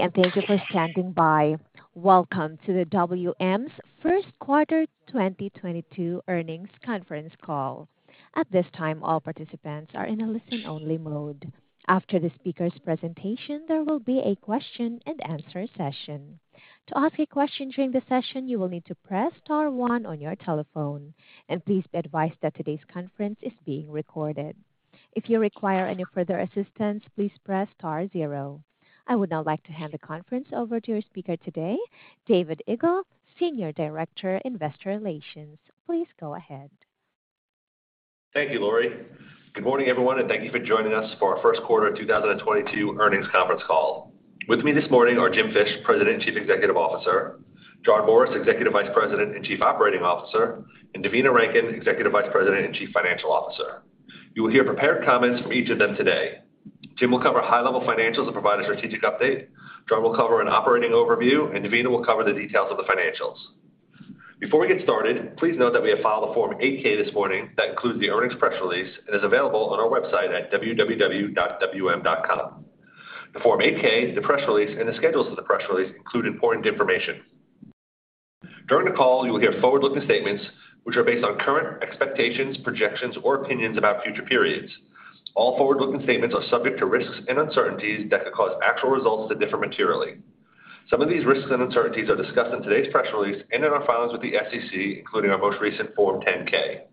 Thank you for standing by. Welcome to the WM's first quarter 2022 earnings conference call. At this time, all participants are in a listen-only mode. After the speaker's presentation, there will be a question and answer session. To ask a question during the session, you will need to press star one on your telephone. Please be advised that today's conference is being recorded. If you require any further assistance, please press star zero. I would now like to hand the conference over to your speaker today, Ed Egl, Senior Director, Investor Relations. Please go ahead. Thank you, Laurie. Good morning, everyone, and thank you for joining us for our first quarter 2022 earnings conference call. With me this morning are Jim Fish, President, Chief Executive Officer, John Morris, Executive Vice President and Chief Operating Officer, and Devina Rankin, Executive Vice President and Chief Financial Officer. You will hear prepared comments from each of them today. Jim will cover high-level financials and provide a strategic update. John will cover an operating overview, and Devina will cover the details of the financials. Before we get started, please note that we have filed a Form 8-K this morning that includes the earnings press release and is available on our website at www.wm.com. The Form 8-K, the press release, and the schedules of the press release include important information. During the call, you will hear forward-looking statements, which are based on current expectations, projections, or opinions about future periods. All forward-looking statements are subject to risks and uncertainties that could cause actual results to differ materially. Some of these risks and uncertainties are discussed in today's press release and in our filings with the SEC, including our most recent Form 10-K.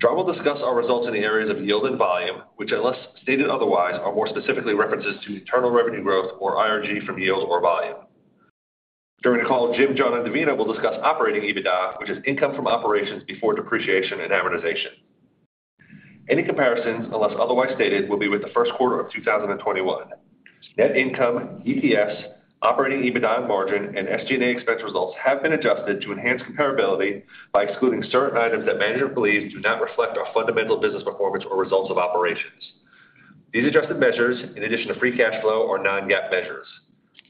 John will discuss our results in the areas of yield and volume, which, unless stated otherwise, are more specifically references to internal revenue growth or IRG from yield or volume. During the call, Jim, John, and Devina will discuss operating EBITDA, which is income from operations before depreciation and amortization. Any comparisons, unless otherwise stated, will be with the first quarter of 2021. Net income, EPS, operating EBITDA margin, and SG&A expense results have been adjusted to enhance comparability by excluding certain items that management believes do not reflect our fundamental business performance or results of operations. These adjusted measures, in addition to free cash flow, are non-GAAP measures.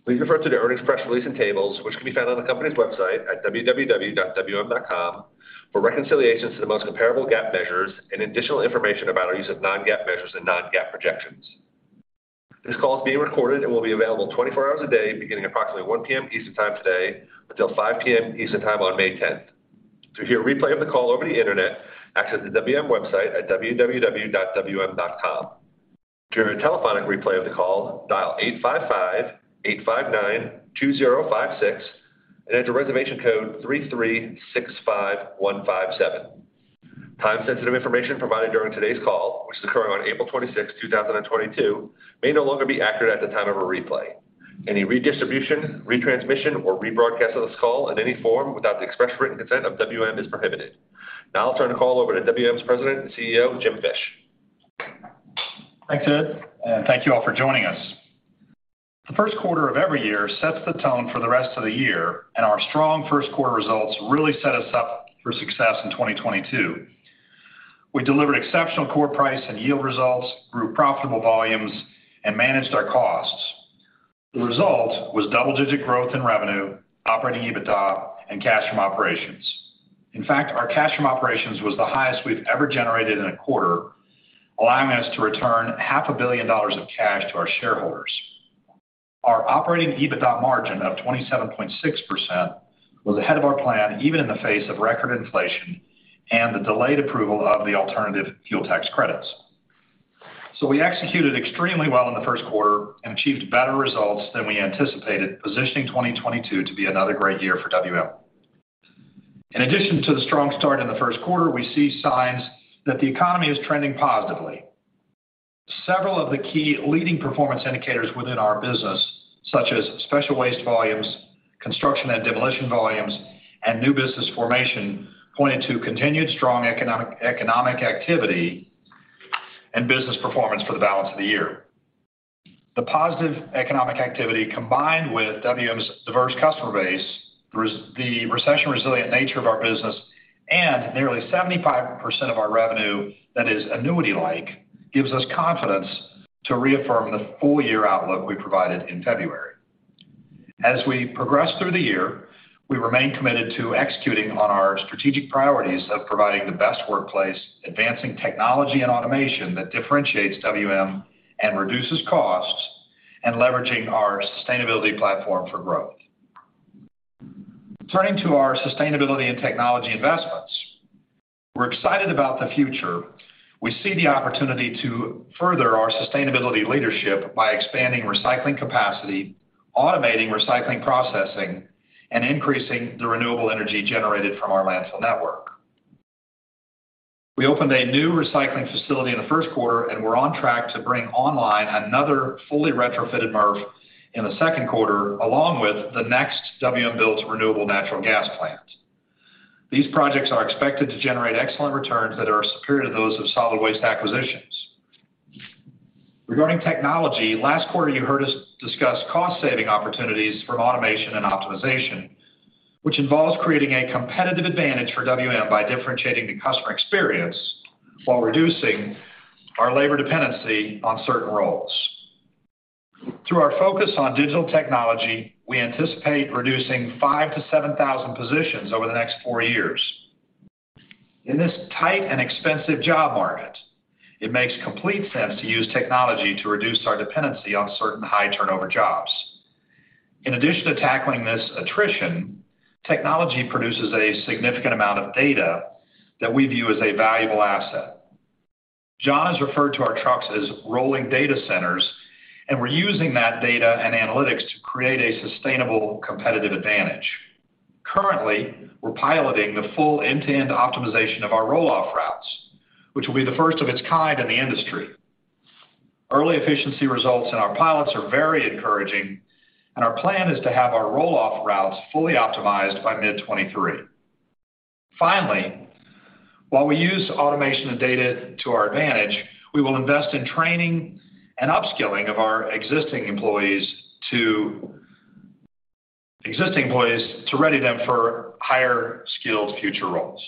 Please refer to the earnings press release and tables, which can be found on the company's website at www.wm.com for reconciliations to the most comparable GAAP measures and additional information about our use of non-GAAP measures and non-GAAP projections. This call is being recorded and will be available 24 hours a day, beginning approximately 1:00 P.M. Eastern Time today until 5:00 P.M. Eastern Time on May 10th. To hear a replay of the call over the Internet, access the WM website at www.wm.com. To hear a telephonic replay of the call, dial 855-859-2056 and enter reservation code 3365157. Time-sensitive information provided during today's call, which is occurring on April 26, 2022, may no longer be accurate at the time of a replay. Any redistribution, retransmission, or rebroadcast of this call in any form without the express written consent of WM is prohibited. Now I'll turn the call over to WM's President and CEO, Jim Fish. Thanks, Ed, and thank you all for joining us. The first quarter of every year sets the tone for the rest of the year, and our strong first quarter results really set us up for success in 2022. We delivered exceptional core price and yield results, grew profitable volumes, and managed our costs. The result was double-digit growth in revenue, operating EBITDA, and cash from operations. In fact, our cash from operations was the highest we've ever generated in a quarter, allowing us to return half a billion dollars of cash to our shareholders. Our operating EBITDA margin of 27.6% was ahead of our plan, even in the face of record inflation and the delayed approval of the alternative fuel tax credits. We executed extremely well in the first quarter and achieved better results than we anticipated, positioning 2022 to be another great year for WM. In addition to the strong start in the first quarter, we see signs that the economy is trending positively. Several of the key leading performance indicators within our business, such as special waste volumes, construction and demolition volumes, and new business formation, pointed to continued strong economic activity and business performance for the balance of the year. The positive economic activity, combined with WM's diverse customer base, the recession-resilient nature of our business, and nearly 75% of our revenue that is annuity-like, gives us confidence to reaffirm the full-year outlook we provided in February. As we progress through the year, we remain committed to executing on our strategic priorities of providing the best workplace, advancing technology and automation that differentiates WM and reduces costs, and leveraging our sustainability platform for growth. Turning to our sustainability and technology investments, we're excited about the future. We see the opportunity to further our sustainability leadership by expanding recycling capacity, automating recycling processing, and increasing the renewable energy generated from our landfill network. We opened a new recycling facility in the first quarter, and we're on track to bring online another fully retrofitted MRF in the second quarter, along with the next WM-built renewable natural gas plant. These projects are expected to generate excellent returns that are superior to those of solid waste acquisitions. Regarding technology, last quarter, you heard us discuss cost-saving opportunities for automation and optimization, which involves creating a competitive advantage for WM by differentiating the customer experience while reducing our labor dependency on certain roles. Through our focus on digital technology, we anticipate reducing 5,000-7,000 positions over the next four years. In this tight and expensive job market, it makes complete sense to use technology to reduce our dependency on certain high turnover jobs. In addition to tackling this attrition, technology produces a significant amount of data that we view as a valuable asset. John has referred to our trucks as rolling data centers, and we're using that data and analytics to create a sustainable competitive advantage. Currently, we're piloting the full end-to-end optimization of our roll-off routes, which will be the first of its kind in the industry. Early efficiency results in our pilots are very encouraging, and our plan is to have our roll-off routes fully optimized by mid-2023. Finally, while we use automation and data to our advantage, we will invest in training and upskilling of our existing employees to ready them for higher skilled future roles.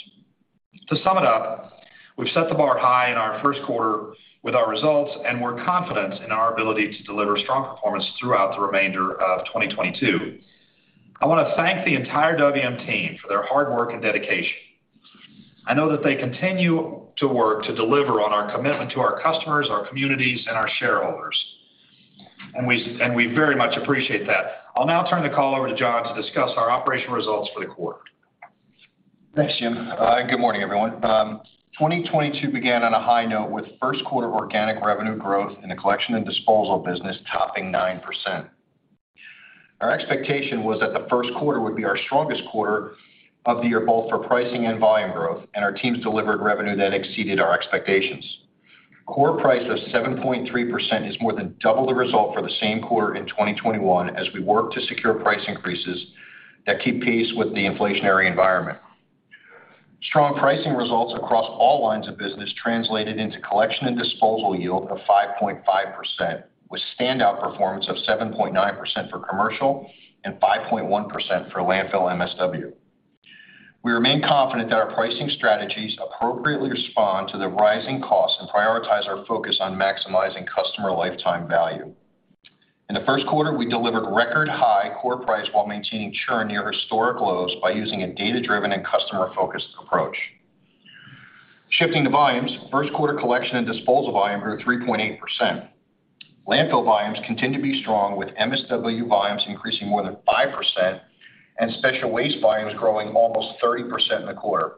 To sum it up, we've set the bar high in our first quarter with our results, and we're confident in our ability to deliver strong performance throughout the remainder of 2022. I want to thank the entire WM team for their hard work and dedication. I know that they continue to work to deliver on our commitment to our customers, our communities, and our shareholders, and we very much appreciate that. I'll now turn the call over to John to discuss our operational results for the quarter. Thanks, Jim. Good morning, everyone. 2022 began on a high note with first quarter organic revenue growth in the collection and disposal business topping 9%. Our expectation was that the first quarter would be our strongest quarter of the year, both for pricing and volume growth, and our teams delivered revenue that exceeded our expectations. Core price of 7.3% is more than double the result for the same quarter in 2021, as we work to secure price increases that keep pace with the inflationary environment. Strong pricing results across all lines of business translated into collection and disposal yield of 5.5%, with standout performance of 7.9% for commercial and 5.1% for landfill MSW. We remain confident that our pricing strategies appropriately respond to the rising costs and prioritize our focus on maximizing customer lifetime value. In the first quarter, we delivered record high core price while maintaining churn near historic lows by using a data-driven and customer-focused approach. Shifting to volumes. First quarter collection and disposal volume grew 3.8%. Landfill volumes continue to be strong, with MSW volumes increasing more than 5% and special waste volumes growing almost 30% in the quarter.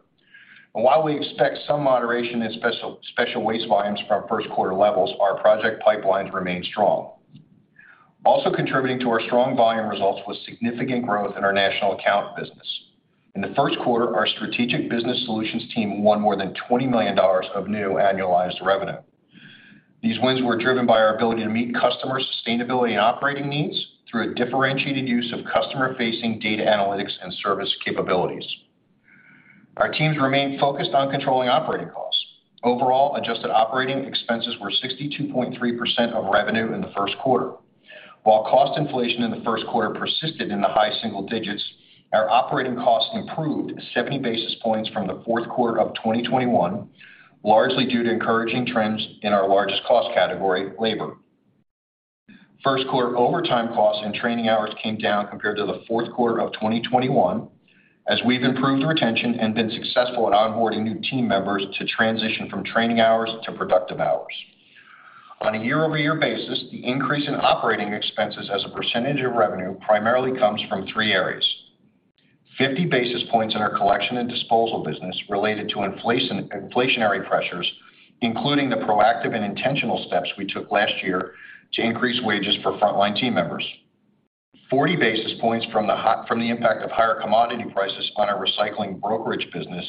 While we expect some moderation in special waste volumes from first quarter levels, our project pipelines remain strong. Also contributing to our strong volume results was significant growth in our national account business. In the first quarter, our Strategic Business Solutions team won more than $20 million of new annualized revenue. These wins were driven by our ability to meet customer sustainability and operating needs through a differentiated use of customer facing data analytics and service capabilities. Our teams remain focused on controlling operating costs. Overall, adjusted operating expenses were 62.3% of revenue in the first quarter. While cost inflation in the first quarter persisted in the high single digits, our operating costs improved 70 basis points from the fourth quarter of 2021, largely due to encouraging trends in our largest cost category, labor. First quarter overtime costs and training hours came down compared to the fourth quarter of 2021 as we've improved retention and been successful in onboarding new team members to transition from training hours to productive hours. On a year-over-year basis, the increase in operating expenses as a percentage of revenue primarily comes from three areas. 50 basis points in our collection and disposal business related to inflationary pressures, including the proactive and intentional steps we took last year to increase wages for frontline team members. 40 basis points from the impact of higher commodity prices on our recycling brokerage business,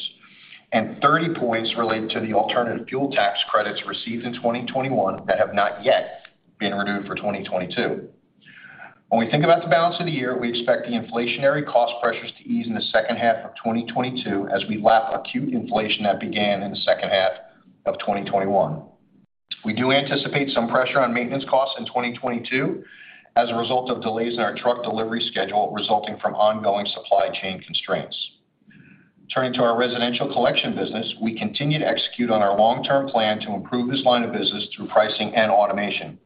and 30 points related to the alternative fuel tax credits received in 2021 that have not yet been renewed for 2022. When we think about the balance of the year, we expect the inflationary cost pressures to ease in the second half of 2022 as we lap acute inflation that began in the second half of 2021. We do anticipate some pressure on maintenance costs in 2022 as a result of delays in our truck delivery schedule resulting from ongoing supply chain constraints. Turning to our residential collection business, we continue to execute on our long-term plan to improve this line of business through pricing and automation.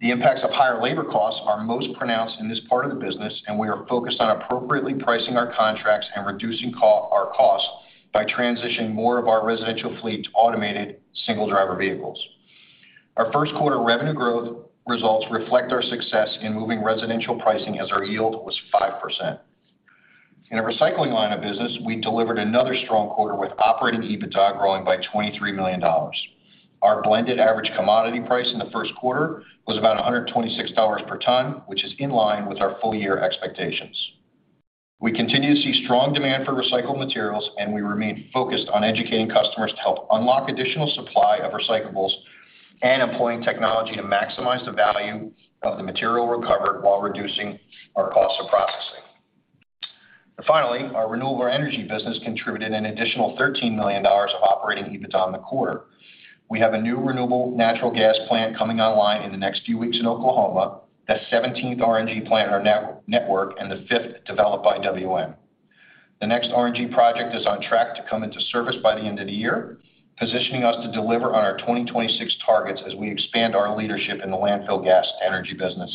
The impacts of higher labor costs are most pronounced in this part of the business, and we are focused on appropriately pricing our contracts and reducing our costs by transitioning more of our residential fleet to automated single driver vehicles. Our first quarter revenue growth results reflect our success in moving residential pricing as our yield was 5%. In our recycling line of business, we delivered another strong quarter with operating EBITDA growing by $23 million. Our blended average commodity price in the first quarter was about $126 per ton, which is in line with our full-year expectations. We continue to see strong demand for recycled materials, and we remain focused on educating customers to help unlock additional supply of recyclables and employing technology to maximize the value of the material recovered while reducing our costs of processing. Finally, our renewable energy business contributed an additional $13 million of operating EBITDA in the quarter. We have a new renewable natural gas plant coming online in the next few weeks in Oklahoma, the 17th RNG plant in our network and the 5th developed by WM. The next RNG project is on track to come into service by the end of the year, positioning us to deliver on our 2026 targets as we expand our leadership in the landfill gas energy business.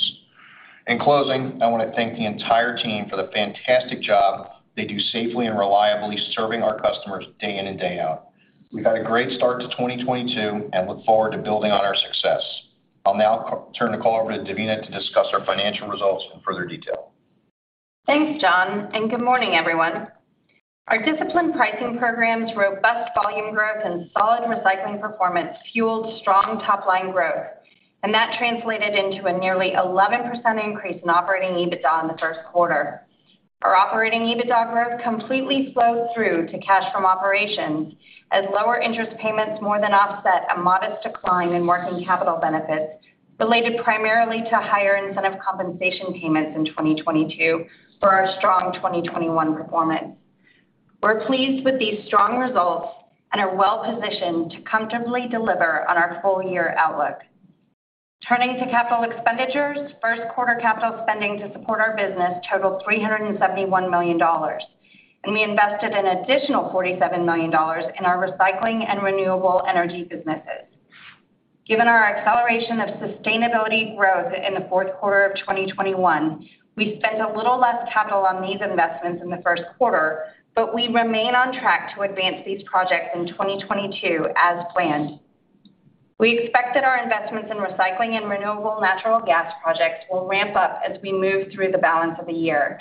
In closing, I want to thank the entire team for the fantastic job they do safely and reliably serving our customers day in and day out. We've had a great start to 2022 and look forward to building on our success. I'll now turn the call over to Devina to discuss our financial results in further detail. Thanks, John, and good morning, everyone. Our disciplined pricing programs, robust volume growth, and solid recycling performance fueled strong top-line growth. That translated into a nearly 11% increase in operating EBITDA in the first quarter. Our operating EBITDA growth completely flowed through to cash from operations as lower interest payments more than offset a modest decline in working capital benefits related primarily to higher incentive compensation payments in 2022 for our strong 2021 performance. We're pleased with these strong results and are well-positioned to comfortably deliver on our full year outlook. Turning to capital expenditures. First quarter capital spending to support our business totaled $371 million, and we invested an additional $47 million in our recycling and renewable energy businesses. Given our acceleration of sustainability growth in the fourth quarter of 2021, we spent a little less capital on these investments in the first quarter, but we remain on track to advance these projects in 2022 as planned. We expect that our investments in recycling and renewable natural gas projects will ramp up as we move through the balance of the year.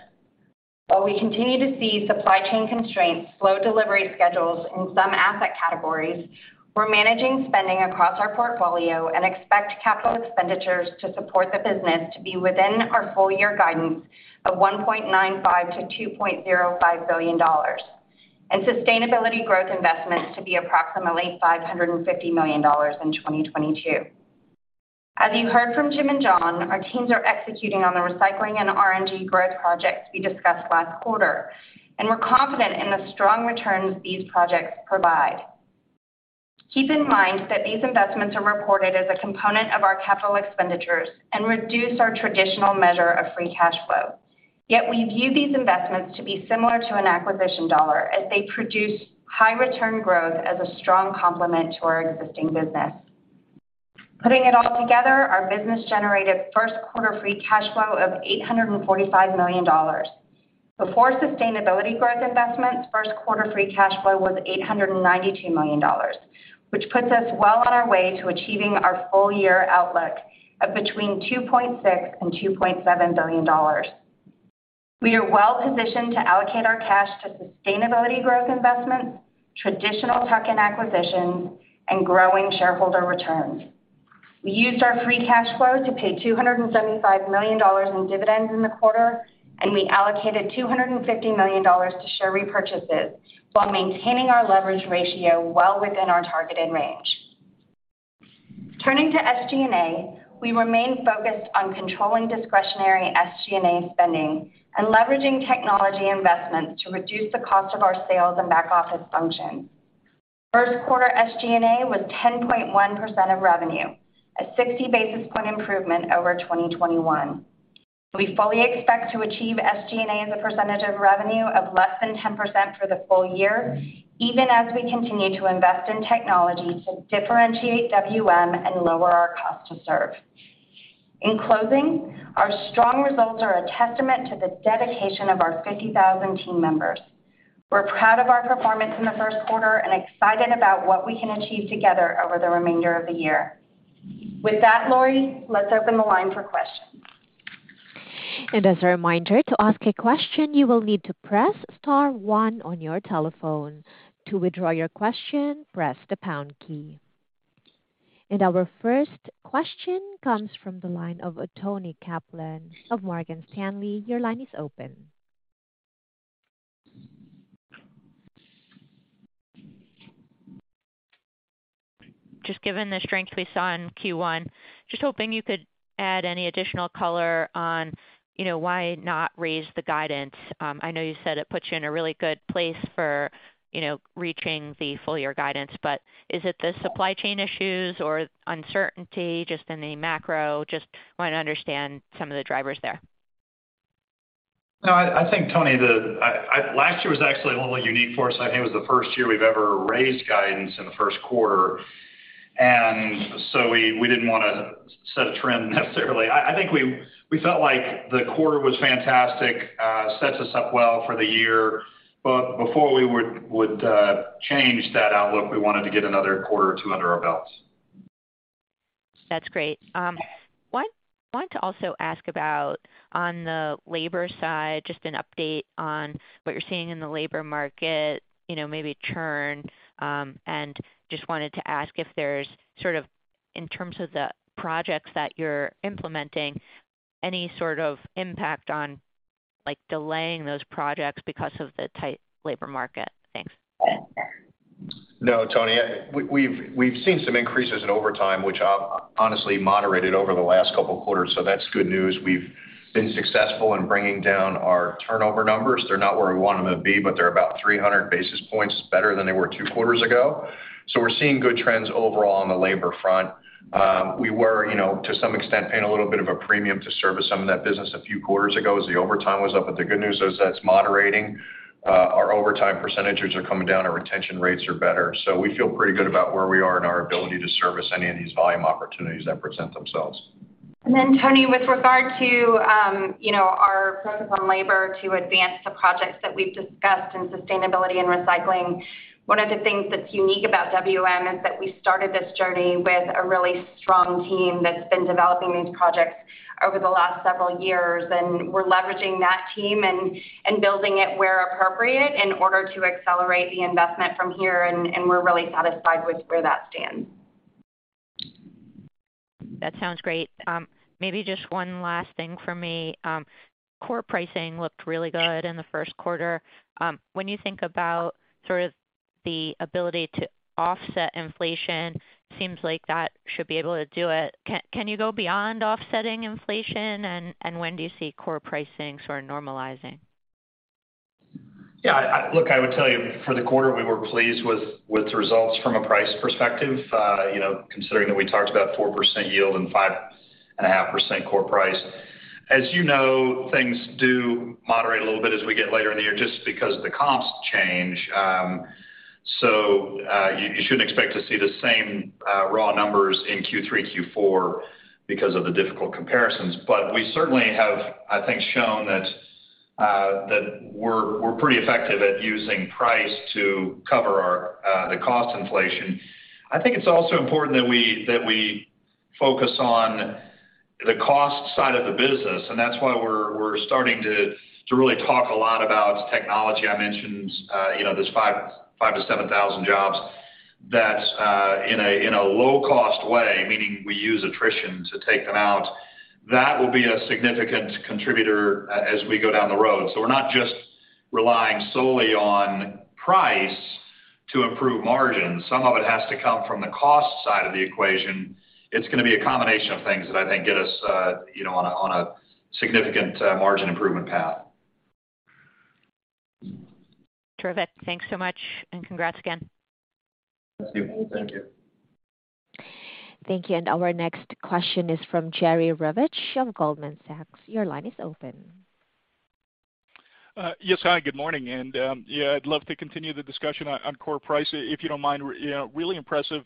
While we continue to see supply chain constraints, slow delivery schedules in some asset categories, we're managing spending across our portfolio and expect capital expenditures to support the business to be within our full year guidance of $1.95 billion-$2.05 billion, and sustainability growth investments to be approximately $550 million in 2022. As you heard from Jim and John, our teams are executing on the recycling and RNG growth projects we discussed last quarter, and we're confident in the strong returns these projects provide. Keep in mind that these investments are reported as a component of our capital expenditures and reduce our traditional measure of free cash flow. Yet we view these investments to be similar to an acquisition dollar as they produce high return growth as a strong complement to our existing business. Putting it all together, our business generated first quarter free cash flow of $845 million. Before sustainability growth investments, first quarter free cash flow was $892 million, which puts us well on our way to achieving our full year outlook of between $2.6 billion and $2.7 billion. We are well-positioned to allocate our cash to sustainability growth investments, traditional tuck-in acquisitions, and growing shareholder returns. We used our free cash flow to pay $275 million in dividends in the quarter, and we allocated $250 million to share repurchases while maintaining our leverage ratio well within our targeted range. Turning to SG&A, we remain focused on controlling discretionary SG&A spending and leveraging technology investments to reduce the cost of our sales and back office functions. First quarter SG&A was 10.1% of revenue, a 60 basis point improvement over 2021. We fully expect to achieve SG&A as a percentage of revenue of less than 10% for the full year, even as we continue to invest in technology to differentiate WM and lower our cost to serve. In closing, our strong results are a testament to the dedication of our 50,000 team members. We're proud of our performance in the first quarter and excited about what we can achieve together over the remainder of the year. With that, Laurie, let's open the line for questions. As a reminder to ask a question, you will need to press star one on your telephone. To withdraw your question, press the pound key. Our first question comes from the line of Toni Kaplan of Morgan Stanley. Your line is open. Given the strength we saw in Q1, just hoping you could add any additional color on, you know, why not raise the guidance. I know you said it puts you in a really good place for, you know, reaching the full year guidance. Is it the supply chain issues or uncertainty just in the macro? I just want to understand some of the drivers there. No, I think, Toni. Last year was actually a little unique for us. I think it was the first year we've ever raised guidance in the first quarter. We didn't wanna set a trend necessarily. I think we felt like the quarter was fantastic, sets us up well for the year. Before we would change that outlook, we wanted to get another quarter or two under our belts. That's great. Wanted to also ask about on the labor side, just an update on what you're seeing in the labor market, you know, maybe churn, and just wanted to ask if there's sort of, in terms of the projects that you're implementing, any sort of impact on, like, delaying those projects because of the tight labor market? Thanks. No, Toni. We've seen some increases in overtime, which honestly moderated over the last couple quarters, so that's good news. We've been successful in bringing down our turnover numbers. They're not where we want them to be, but they're about 300 basis points better than they were two quarters ago. So we're seeing good trends overall on the labor front. We were, you know, to some extent, paying a little bit of a premium to service some of that business a few quarters ago as the overtime was up. But the good news is that it's moderating. Our overtime percentages are coming down, our retention rates are better. We feel pretty good about where we are in our ability to service any of these volume opportunities that present themselves. Toni, with regard to, you know, our focus on labor to advance the projects that we've discussed in sustainability and recycling, one of the things that's unique about WM is that we started this journey with a really strong team that's been developing these projects over the last several years, and we're leveraging that team and building it where appropriate in order to accelerate the investment from here, and we're really satisfied with where that stands. That sounds great. Maybe just one last thing for me. Core pricing looked really good in the first quarter. When you think about sort of the ability to offset inflation, seems like that should be able to do it. Can you go beyond offsetting inflation and when do you see core pricing sort of normalizing? Yeah, look, I would tell you for the quarter, we were pleased with the results from a price perspective, you know, considering that we talked about 4% yield and 5.5% core price. As you know, things do moderate a little bit as we get later in the year, just because the comps change. You shouldn't expect to see the same raw numbers in Q3, Q4 because of the difficult comparisons. We certainly have, I think, shown that we're pretty effective at using price to cover our cost inflation. I think it's also important that we focus on the cost side of the business, and that's why we're starting to really talk a lot about technology. I mentioned, you know, there's 5,000-7,000 jobs that, in a low cost way, meaning we use attrition to take them out. That will be a significant contributor as we go down the road. We're not just relying solely on price to improve margins. Some of it has to come from the cost side of the equation. It's gonna be a combination of things that I think get us, you know, on a significant margin improvement path. Terrific. Thanks so much and congrats again. Thank you. Thank you. Our next question is from Jerry Revich of Goldman Sachs. Your line is open. Yes, hi, good morning. Yeah, I'd love to continue the discussion on core price, if you don't mind. You know, really impressive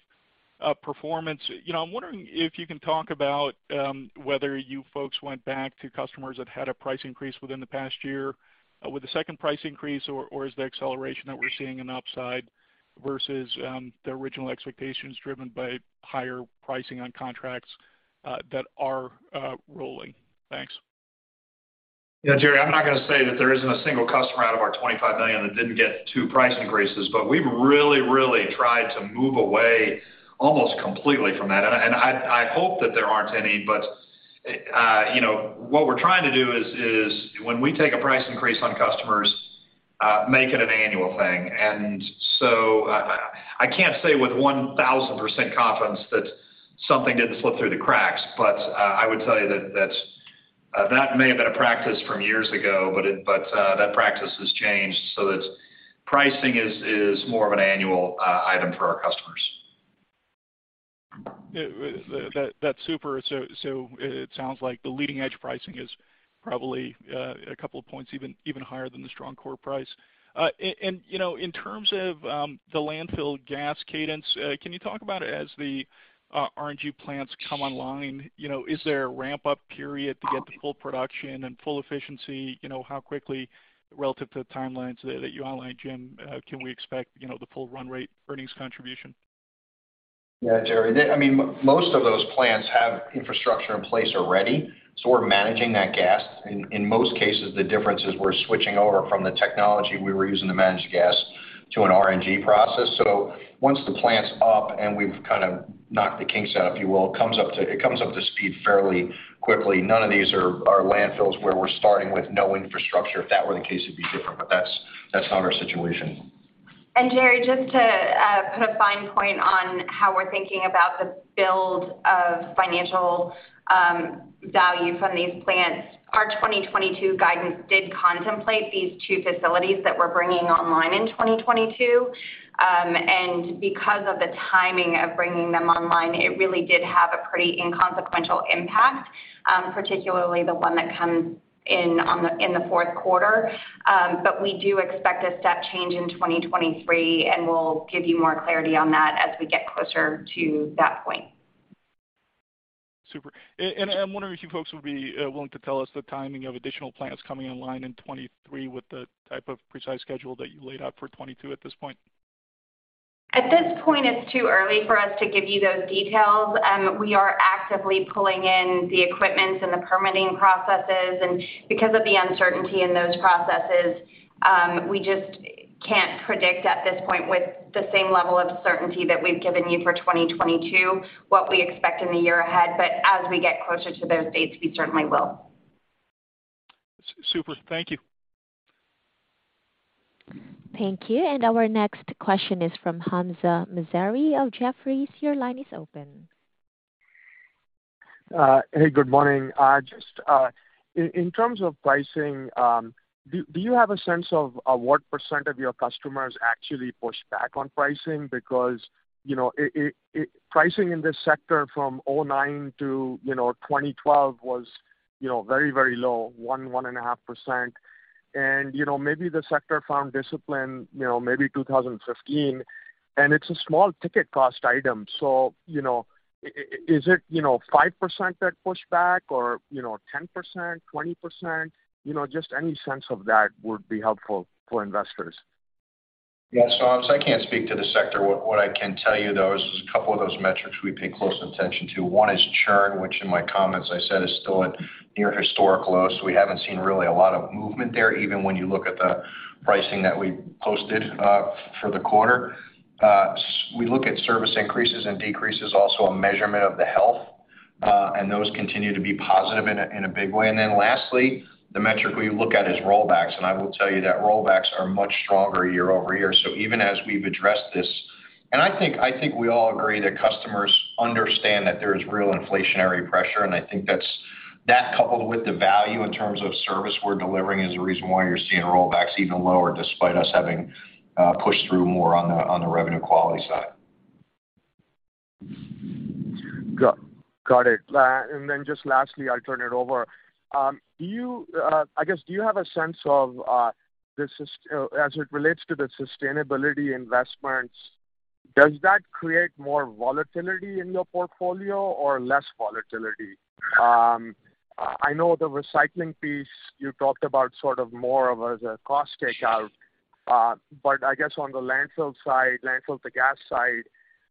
performance. You know, I'm wondering if you can talk about whether you folks went back to customers that had a price increase within the past year with the second price increase, or is the acceleration that we're seeing an upside versus the original expectations driven by higher pricing on contracts that are rolling? Thanks. Yeah, Jerry, I'm not gonna say that there isn't a single customer out of our 25 million that didn't get two price increases, but we've really tried to move away almost completely from that. I hope that there aren't any, but you know, what we're trying to do is when we take a price increase on customers, make it an annual thing. I can't say with 1,000% confidence that something didn't slip through the cracks, but I would tell you that that may have been a practice from years ago, but that practice has changed. Pricing is more of an annual item for our customers. Yeah. That's super. So it sounds like the leading edge pricing is probably a couple of points even higher than the strong core price. And you know, in terms of the landfill gas cadence, can you talk about as the RNG plants come online, you know, is there a ramp up period to get to full production and full efficiency? You know, how quickly relative to the timelines that you outlined, Jim, can we expect, you know, the full run rate earnings contribution? Yeah, Jerry. I mean, most of those plants have infrastructure in place already, so we're managing that gas. In most cases, the difference is we're switching over from the technology we were using to manage gas to an RNG process. Once the plant's up and we've kind of knocked the kinks out, if you will, it comes up to speed fairly quickly. None of these are landfills where we're starting with no infrastructure. If that were the case, it'd be different. That's not our situation. Jerry, just to put a fine point on how we're thinking about the build of financial value from these plants. Our 2022 guidance did contemplate these two facilities that we're bringing online in 2022. Because of the timing of bringing them online, it really did have a pretty inconsequential impact, particularly the one that comes online in the fourth quarter. We do expect a step change in 2023, and we'll give you more clarity on that as we get closer to that point. Super. I'm wondering if you folks would be willing to tell us the timing of additional plants coming online in 2023 with the type of precise schedule that you laid out for 2022 at this point? At this point, it's too early for us to give you those details. We are actively pulling in the equipment and the permitting processes, and because of the uncertainty in those processes, we just can't predict at this point with the same level of certainty that we've given you for 2022 what we expect in the year ahead. As we get closer to those dates, we certainly will. Super. Thank you. Thank you. Our next question is from Hamzah Mazari of Jefferies. Your line is open. Hey, good morning. Just in terms of pricing, do you have a sense of what percent of your customers actually push back on pricing? Because, you know, it. Pricing in this sector from 2009 to 2012 was, you know, very low, 1.5%. You know, maybe the sector found discipline, you know, maybe 2015. It's a small ticket cost item. You know, is it 5% that pushed back or 10%, 20%? You know, just any sense of that would be helpful for investors. Yeah. I can't speak to the sector. What I can tell you though, is a couple of those metrics we pay close attention to. One is churn, which in my comments I said is still at near historic lows. We haven't seen really a lot of movement there, even when you look at the pricing that we posted for the quarter. We look at service increases and decreases, also a measurement of the health, and those continue to be positive in a big way. Then lastly, the metric we look at is rollbacks. I will tell you that rollbacks are much stronger year-over-year. Even as we've addressed this. I think we all agree that customers understand that there is real inflationary pressure, and I think that's coupled with the value in terms of service we're delivering is the reason why you're seeing rollbacks even lower, despite us having pushed through more on the revenue quality side. Got it. Just lastly, I'll turn it over. I guess, do you have a sense of, as it relates to the sustainability investments, does that create more volatility in your portfolio or less volatility? I know the recycling piece you talked about sort of more of as a cost takeout. I guess on the landfill site, landfill-to-gas side,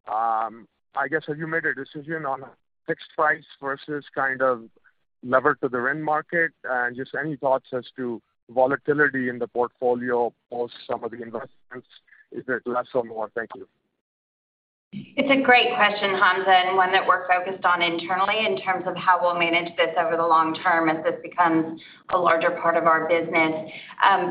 I guess, have you made a decision on a fixed price versus kind of levered to the RIN market? Just any thoughts as to volatility in the portfolio post some of the investments, is it less or more? Thank you. It's a great question, Hamzah, and one that we're focused on internally in terms of how we'll manage this over the long term as this becomes a larger part of our business.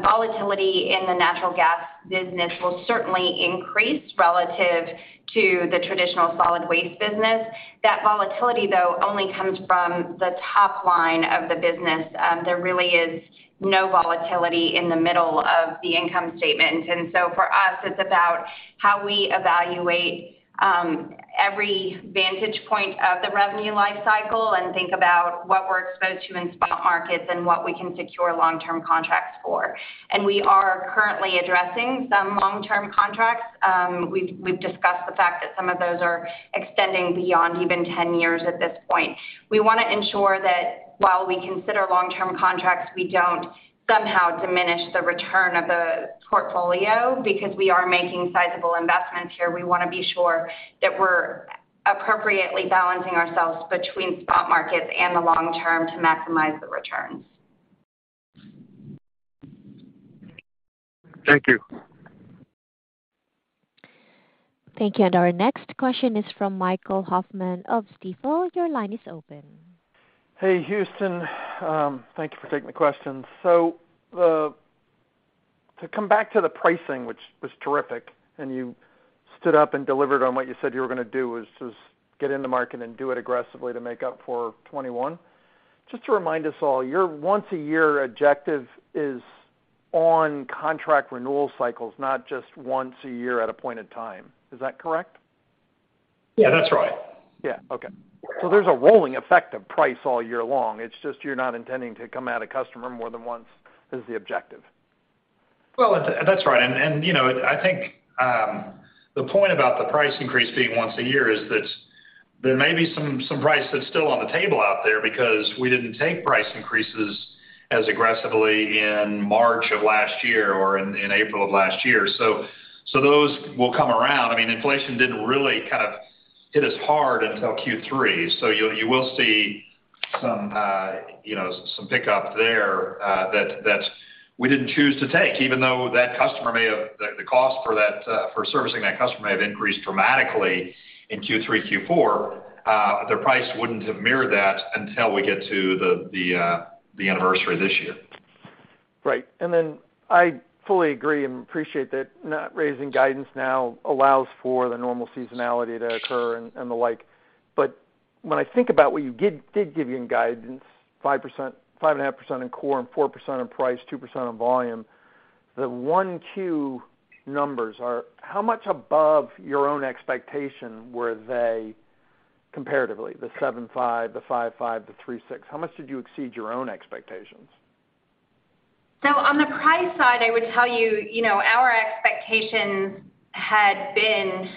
Volatility in the natural gas business will certainly increase relative to the traditional solid waste business. That volatility, though, only comes from the top line of the business. There really is no volatility in the middle of the income statement. For us, it's about how we evaluate every vantage point of the revenue life cycle and think about what we're exposed to in spot markets and what we can secure long-term contracts for. We are currently addressing some long-term contracts. We've discussed the fact that some of those are extending beyond even ten years at this point. We wanna ensure that while we consider long-term contracts, we don't somehow diminish the return of the portfolio. Because we are making sizable investments here, we wanna be sure that we're appropriately balancing ourselves between spot markets and the long term to maximize the returns. Thank you. Thank you. Our next question is from Michael Hoffman of Stifel. Your line is open. Hey, Houston. Thank you for taking the question. To come back to the pricing, which was terrific, and you stood up and delivered on what you said you were gonna do, is just get in the market and do it aggressively to make up for 2021. Just to remind us all, your once-a-year objective is on contract renewal cycles, not just once a year at a point in time. Is that correct? Yeah, that's right. Yeah. Okay. There's a rolling effect of price all year long. It's just you're not intending to come at a customer more than once, is the objective. Well, that's right. You know, I think the point about the price increase being once a year is that there may be some price that's still on the table out there because we didn't take price increases as aggressively in March of last year or in April of last year. Those will come around. I mean, inflation didn't really kind of hit us hard until Q3. You will see some pickup there that we didn't choose to take, even though the cost for servicing that customer may have increased dramatically in Q3, Q4, the price wouldn't have mirrored that until we get to the anniversary this year. Right. And then I fully agree and appreciate that not raising guidance now allows for the normal seasonality to occur and the like. When I think about what you give, did give you in guidance, 5%, 5.5% in core and 4% in price, 2% in volume, the 1Q numbers are how much above your own expectation were they comparatively? The 7.5%, the 5.5%, the 3.6%. How much did you exceed your own expectations? On the price side, I would tell you know, our expectations had been,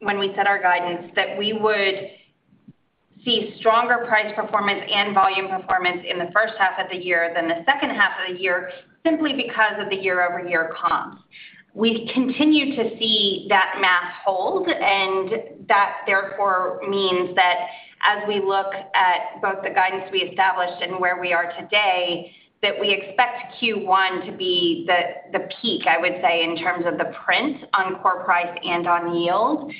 when we set our guidance, that we would see stronger price performance and volume performance in the first half of the year than the second half of the year, simply because of the year-over-year comps. We continue to see that math hold, and that therefore means that as we look at both the guidance we established and where we are today, that we expect Q1 to be the peak, I would say, in terms of the print on core price and on yield.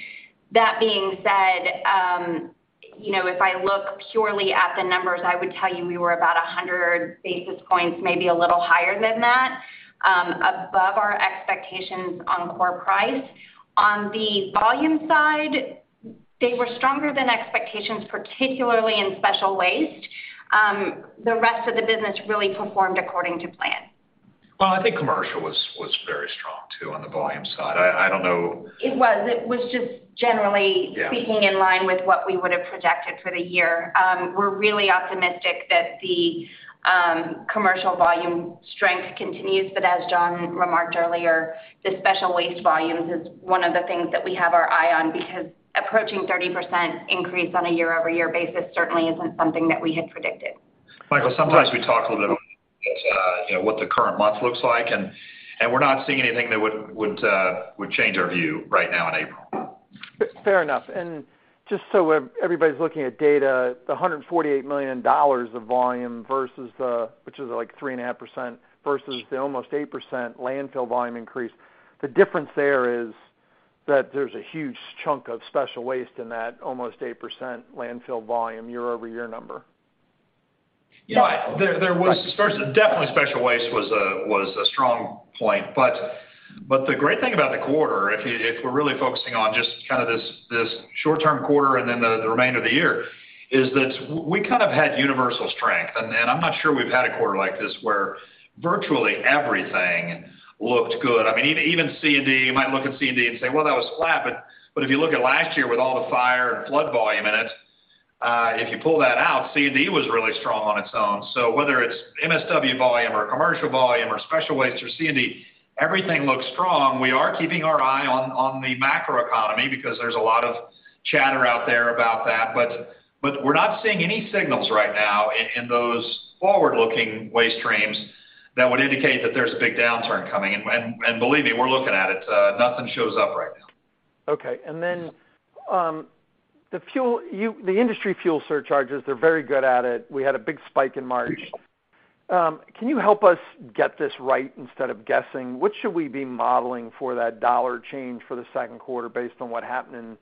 That being said, you know, if I look purely at the numbers, I would tell you we were about 100 basis points, maybe a little higher than that, above our expectations on core price. On the volume side, they were stronger than expectations, particularly in special waste. The rest of the business really performed according to plan. Well, I think commercial was very strong too on the volume side. I don't know. It was just generally speaking in line with what we would have projected for the year. We're really optimistic that the commercial volume strength continues. As John remarked earlier, the special waste volumes is one of the things that we have our eye on because approaching 30% increase on a year-over-year basis certainly isn't something that we had predicted. Michael, sometimes we talk a little bit about, you know, what the current month looks like, and we're not seeing anything that would change our view right now in April. Fair enough. Just so everybody's looking at data, the $148 million of volume, which is, like, 3.5% versus the almost 8% landfill volume increase, the difference there is that there's a huge chunk of special waste in that almost 8% landfill volume year-over-year number. Yeah. First, definitely special waste was a strong point. The great thing about the quarter, if we're really focusing on just kind of this short-term quarter and then the remainder of the year, is that we kind of had universal strength. I'm not sure we've had a quarter like this, where virtually everything looked good. I mean, even C&D. You might look at C&D and say, well, that was flat. If you look at last year with all the fire and flood volume in it, if you pull that out, C&D was really strong on its own. Whether it's MSW volume or commercial volume or special waste or C&D, everything looks strong. We are keeping our eye on the macroeconomy because there's a lot of chatter out there about that. We're not seeing any signals right now in those forward-looking waste streams that would indicate that there's a big downturn coming. Believe me, we're looking at it. Nothing shows up right now. Okay. Then the fuel, the industry fuel surcharges, they're very good at it. We had a big spike in March. Can you help us get this right instead of guessing? What should we be modeling for that dollar change for the second quarter based on what happened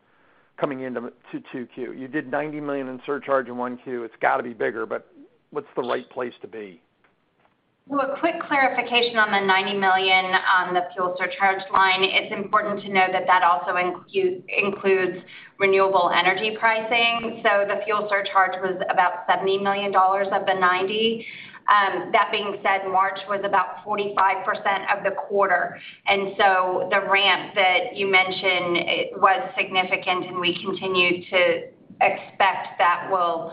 coming into 2Q? You did $90 million in surcharge in 1Q. It's gotta be bigger, but what's the right place to be? Well, a quick clarification on the $90 million on the fuel surcharge line. It's important to know that that also includes renewable energy pricing. So the fuel surcharge was about $70 million of the $90 million. That being said, March was about 45% of the quarter. The ramp that you mentioned, it was significant, and we continue to expect that will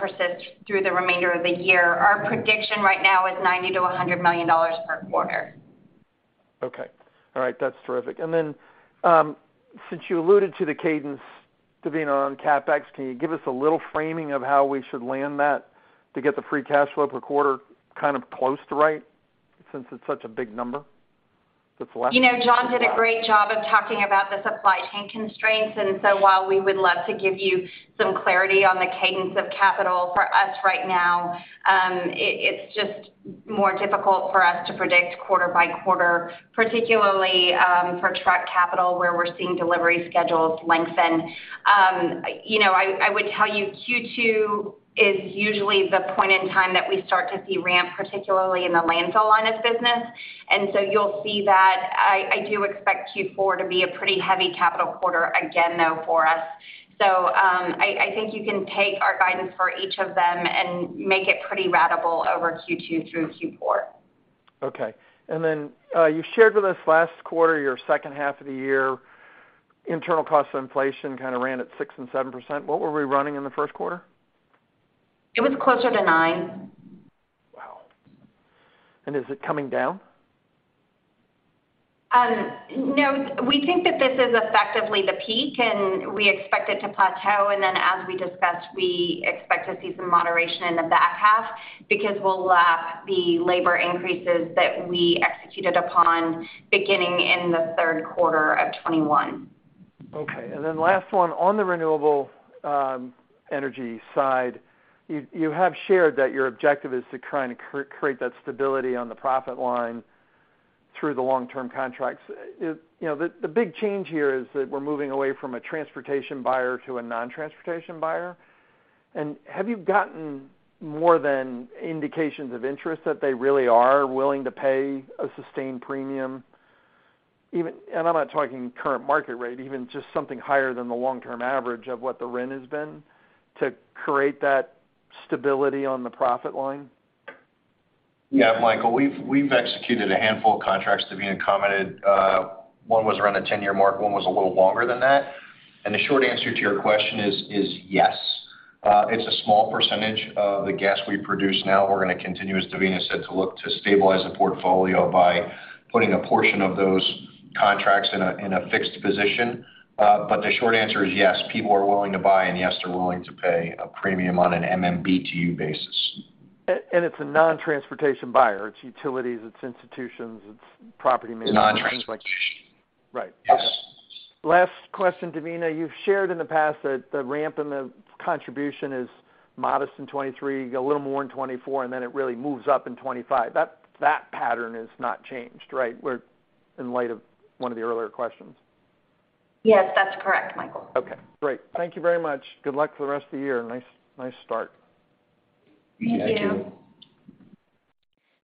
persist through the remainder of the year. Our prediction right now is $90 million-$100 million per quarter. Okay. All right. That's terrific. Since you alluded to the cadence, Devina, on CapEx, can you give us a little framing of how we should land that to get the free cash flow per quarter kind of close to right since it's such a big number that's left? You know, John did a great job of talking about the supply chain constraints. While we would love to give you some clarity on the cadence of capital, for us right now, it's just more difficult for us to predict quarter by quarter, particularly, for truck capital, where we're seeing delivery schedules lengthen. You know, I would tell you Q2 is usually the point in time that we start to see ramp, particularly in the landfill line of business. You'll see that I do expect Q4 to be a pretty heavy capital quarter again, though, for us. I think you can take our guidance for each of them and make it pretty ratable over Q2 through Q4. Okay. You shared with us last quarter your second half of the year internal cost inflation kind of ran at 6% and 7%. What were we running in the first quarter? It was closer to nine. Wow. Is it coming down? No. We think that this is effectively the peak, and we expect it to plateau. As we discussed, we expect to see some moderation in the back half because we'll lap the labor increases that we executed upon beginning in the third quarter of 2021. Okay. Last one. On the renewable energy side, you have shared that your objective is to try and create that stability on the profit line through the long-term contracts. You know, the big change here is that we're moving away from a transportation buyer to a non-transportation buyer. Have you gotten more than indications of interest that they really are willing to pay a sustained premium, even. I'm not talking current market rate, even just something higher than the long-term average of what the RIN has been to create that stability on the profit line? Yeah, Michael, we've executed a handful of contracts, Devina commented. One was around the 10-year mark. One was a little longer than that. The short answer to your question is yes. It's a small percentage of the gas we produce now. We're gonna continue, as Devina said, to look to stabilize the portfolio by putting a portion of those contracts in a fixed position. The short answer is yes, people are willing to buy, and yes, they're willing to pay a premium on an MMBtu basis. It's a non-transportation buyer. It's utilities, it's institutions, it's property. Non-transportation. Right. Okay. Yes. Last question, Devina. You've shared in the past that the ramp in the contribution is modest in 2023, you get a little more in 2024, and then it really moves up in 2025. That pattern has not changed, right? In light of one of the earlier questions. Yes, that's correct, Michael. Okay, great. Thank you very much. Good luck for the rest of the year. Nice, nice start. Thank you. Thank you.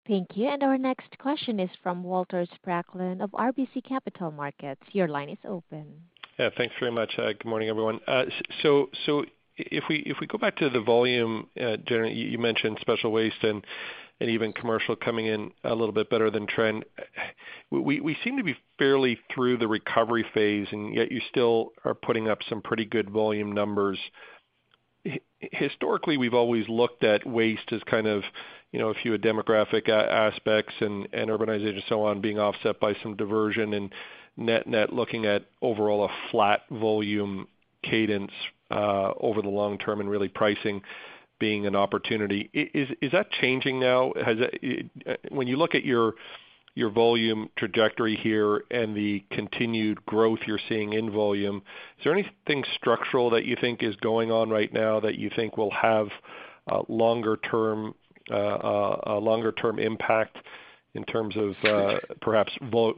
Thank you. Our next question is from Walter Spracklin of RBC Capital Markets. Your line is open. Yeah, thanks very much. Good morning, everyone. So, if we go back to the volume, generally, you mentioned special waste and even commercial coming in a little bit better than trend. We seem to be fairly through the recovery phase, and yet you still are putting up some pretty good volume numbers. Historically, we've always looked at waste as kind of, you know, a few demographic aspects and urbanization and so on being offset by some diversion and net-net looking at overall a flat volume cadence over the long term and really pricing being an opportunity. Is that changing now? Has it, when you look at your volume trajectory here and the continued growth you're seeing in volume, is there anything structural that you think is going on right now that you think will have a longer term, a longer-term impact in terms of, perhaps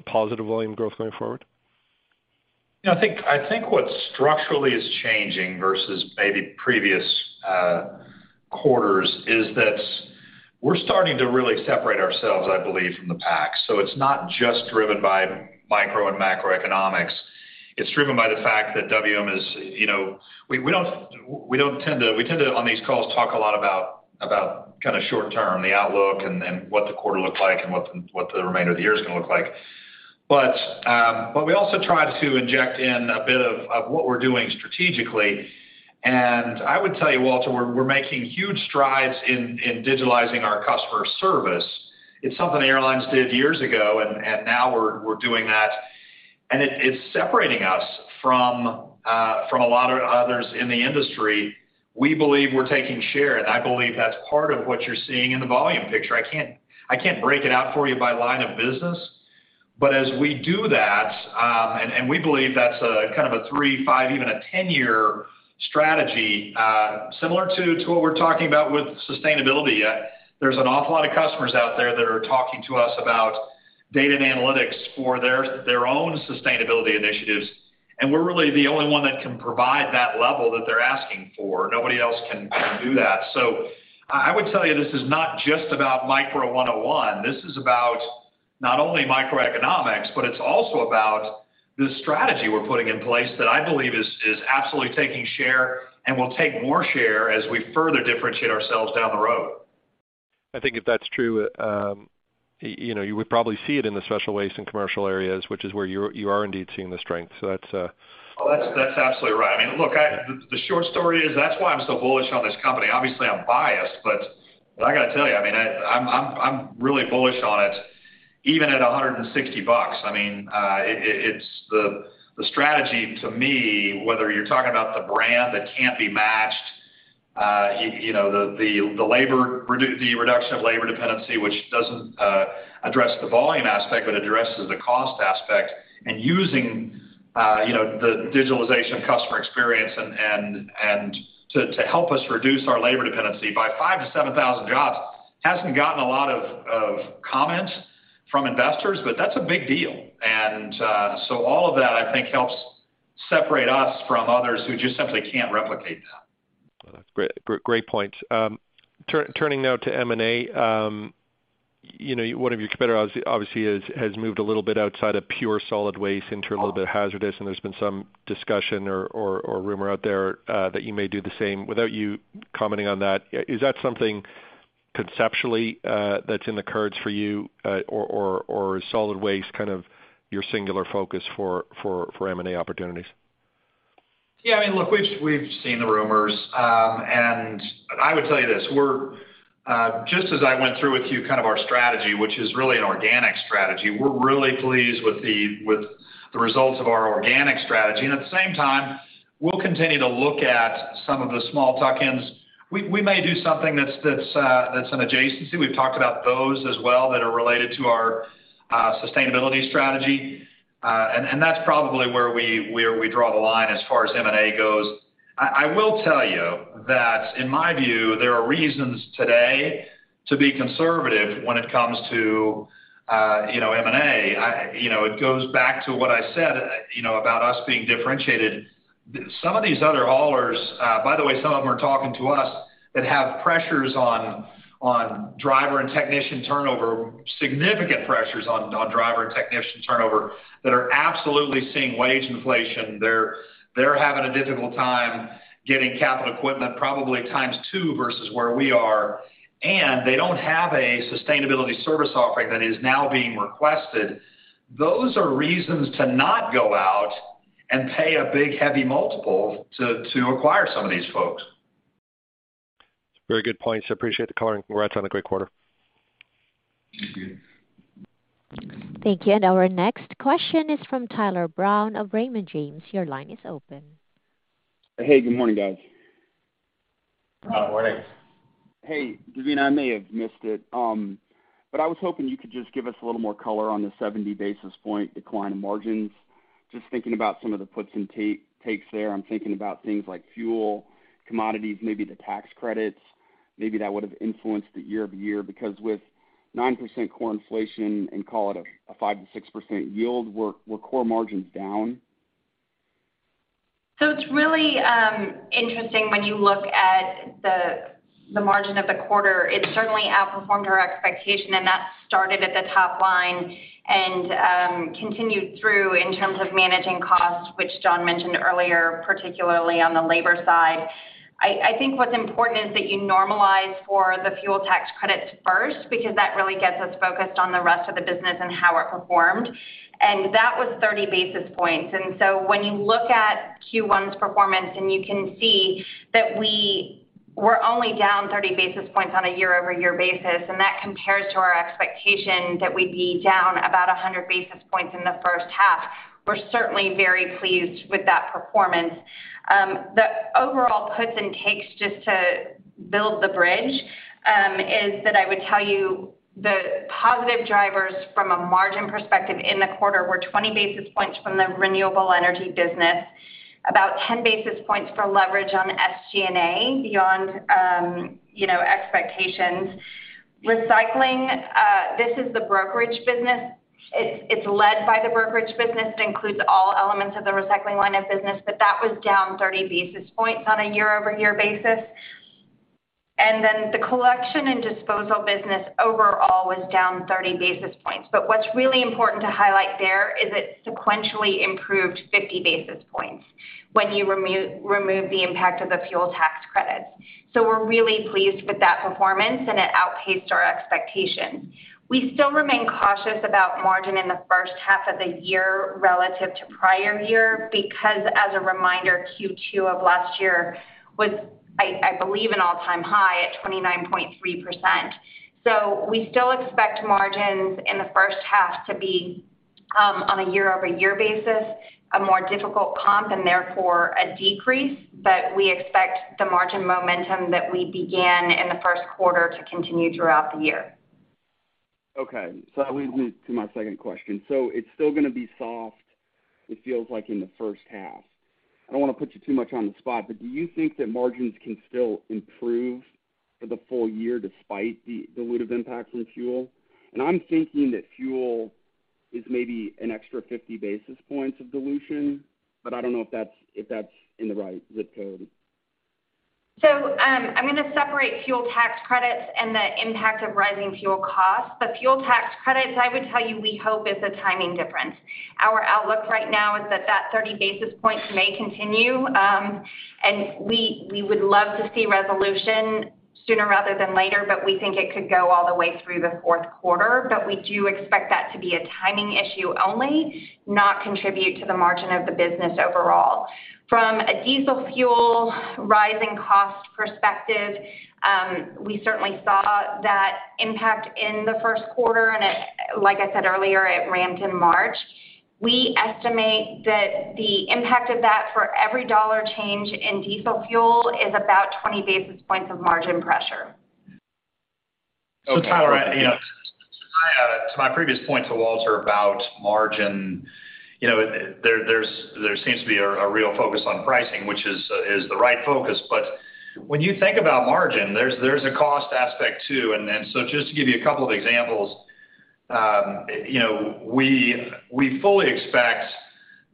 positive volume growth going forward? Yeah, I think what structurally is changing versus maybe previous quarters is that we're starting to really separate ourselves, I believe, from the pack. It's not just driven by microeconomics and macroeconomics. It's driven by the fact that WM is. We tend to, on these calls, talk a lot about short term, the outlook and what the quarter looked like and what the remainder of the year is gonna look like. We also try to inject in a bit of what we're doing strategically. I would tell you, Walter, we're making huge strides in digitizing our customer service. It's something the airlines did years ago, and now we're doing that. It's separating us from a lot of others in the industry. We believe we're taking share, and I believe that's part of what you're seeing in the volume picture. I can't break it out for you by line of business. As we do that, we believe that's a kind of a 3, 5, even a 10-year strategy, similar to what we're talking about with sustainability. There's an awful lot of customers out there that are talking to us about data and analytics for their own sustainability initiatives, and we're really the only one that can provide that level that they're asking for. Nobody else can do that. I would tell you, this is not just about micro 101. This is about not only microeconomics, but it's also about the strategy we're putting in place that I believe is absolutely taking share and will take more share as we further differentiate ourselves down the road. I think if that's true, you know, you would probably see it in the special waste and commercial areas, which is where you are indeed seeing the strength. That's absolutely right. I mean, look, the short story is that's why I'm so bullish on this company. Obviously, I'm biased, but I gotta tell you, I mean, I'm really bullish on it, even at $160. I mean, it's the strategy to me, whether you're talking about the brand that can't be matched, you know, the reduction of labor dependency, which doesn't address the volume aspect, but addresses the cost aspect and using, you know, the digitalization of customer experience and to help us reduce our labor dependency by 5,000-7,000 jobs hasn't gotten a lot of comments from investors, but that's a big deal. All of that, I think, helps separate us from others who just simply can't replicate that. Great points. Turning now to M&A. You know, one of your competitors obviously has moved a little bit outside of pure solid waste into a little bit of hazardous, and there's been some discussion or rumor out there that you may do the same. Without you commenting on that, is that something conceptually that's in the cards for you or is solid waste kind of your singular focus for M&A opportunities? Yeah, I mean, look, we've seen the rumors. I would tell you this, we're just as I went through with you kind of our strategy, which is really an organic strategy, we're really pleased with the results of our organic strategy. At the same time, we'll continue to look at some of the small tuck-ins. We may do something that's an adjacency. We've talked about those as well that are related to our sustainability strategy. That's probably where we draw the line as far as M&A goes. I will tell you that in my view, there are reasons today to be conservative when it comes to, you know, M&A. You know, it goes back to what I said, you know, about us being differentiated. Some of these other haulers, by the way, some of them are talking to us, that have significant pressures on driver and technician turnover, that are absolutely seeing wage inflation. They're having a difficult time getting capital equipment, probably 2x versus where we are, and they don't have a sustainability service offering that is now being requested. Those are reasons to not go out and pay a big, heavy multiple to acquire some of these folks. Very good points. I appreciate the color, and congrats on a great quarter. Thank you. Thank you. Our next question is from Tyler Brown of Raymond James. Your line is open. Hey, good morning, guys. Good morning. Hey, Devina, I may have missed it, but I was hoping you could just give us a little more color on the 70 basis points decline in margins. Just thinking about some of the puts and takes there, I'm thinking about things like fuel, commodities, maybe the tax credits, maybe that would've influenced it year-over-year, because with 9% core inflation and call it a 5%-6% yield, were core margins down? It's really interesting when you look at the margin of the quarter. It certainly outperformed our expectation, and that started at the top line and continued through in terms of managing costs, which John mentioned earlier, particularly on the labor side. I think what's important is that you normalize for the fuel tax credits first, because that really gets us focused on the rest of the business and how it performed. That was 30 basis points. When you look at Q1's performance, and you can see that we're only down 30 basis points on a year-over-year basis, and that compares to our expectation that we'd be down about 100 basis points in the first half. We're certainly very pleased with that performance. The overall puts and takes just to build the bridge is that I would tell you the positive drivers from a margin perspective in the quarter were 20 basis points from the renewable energy business, about 10 basis points for leverage on SG&A beyond you know expectations. Recycling, this is the brokerage business. It's led by the brokerage business. It includes all elements of the recycling line of business, but that was down 30 basis points on a year-over-year basis. Then the collection and disposal business overall was down 30 basis points. What's really important to highlight there is it sequentially improved 50 basis points when you remove the impact of the fuel tax credits. We're really pleased with that performance, and it outpaced our expectations. We still remain cautious about margin in the first half of the year relative to prior year because, as a reminder, Q2 of last year was, I believe, an all-time high at 29.3%. We still expect margins in the first half to be, on a year-over-year basis, a more difficult comp and therefore a decrease, but we expect the margin momentum that we began in the first quarter to continue throughout the year. Okay. That leads me to my second question. It's still gonna be soft, it feels like in the first half. I don't wanna put you too much on the spot, but do you think that margins can still improve for the full year despite the additive impact from fuel? I'm thinking that fuel is maybe an extra 50 basis points of dilution, but I don't know if that's in the right ZIP code. I'm gonna separate fuel tax credits and the impact of rising fuel costs. The fuel tax credits, I would tell you we hope is a timing difference. Our outlook right now is that that 30 basis points may continue. We would love to see resolution sooner rather than later, but we think it could go all the way through the fourth quarter. We do expect that to be a timing issue only, not contribute to the margin of the business overall. From a diesel fuel rising cost perspective, we certainly saw that impact in the first quarter, and it, like I said earlier, it ramped in March. We estimate that the impact of that for every $1 change in diesel fuel is about 20 basis points of margin pressure. Okay. Tyler, you know, to my previous point to Walter about margin, you know, there seems to be a real focus on pricing, which is the right focus. When you think about margin, there's a cost aspect too. Just to give you a couple of examples, you know, we fully expect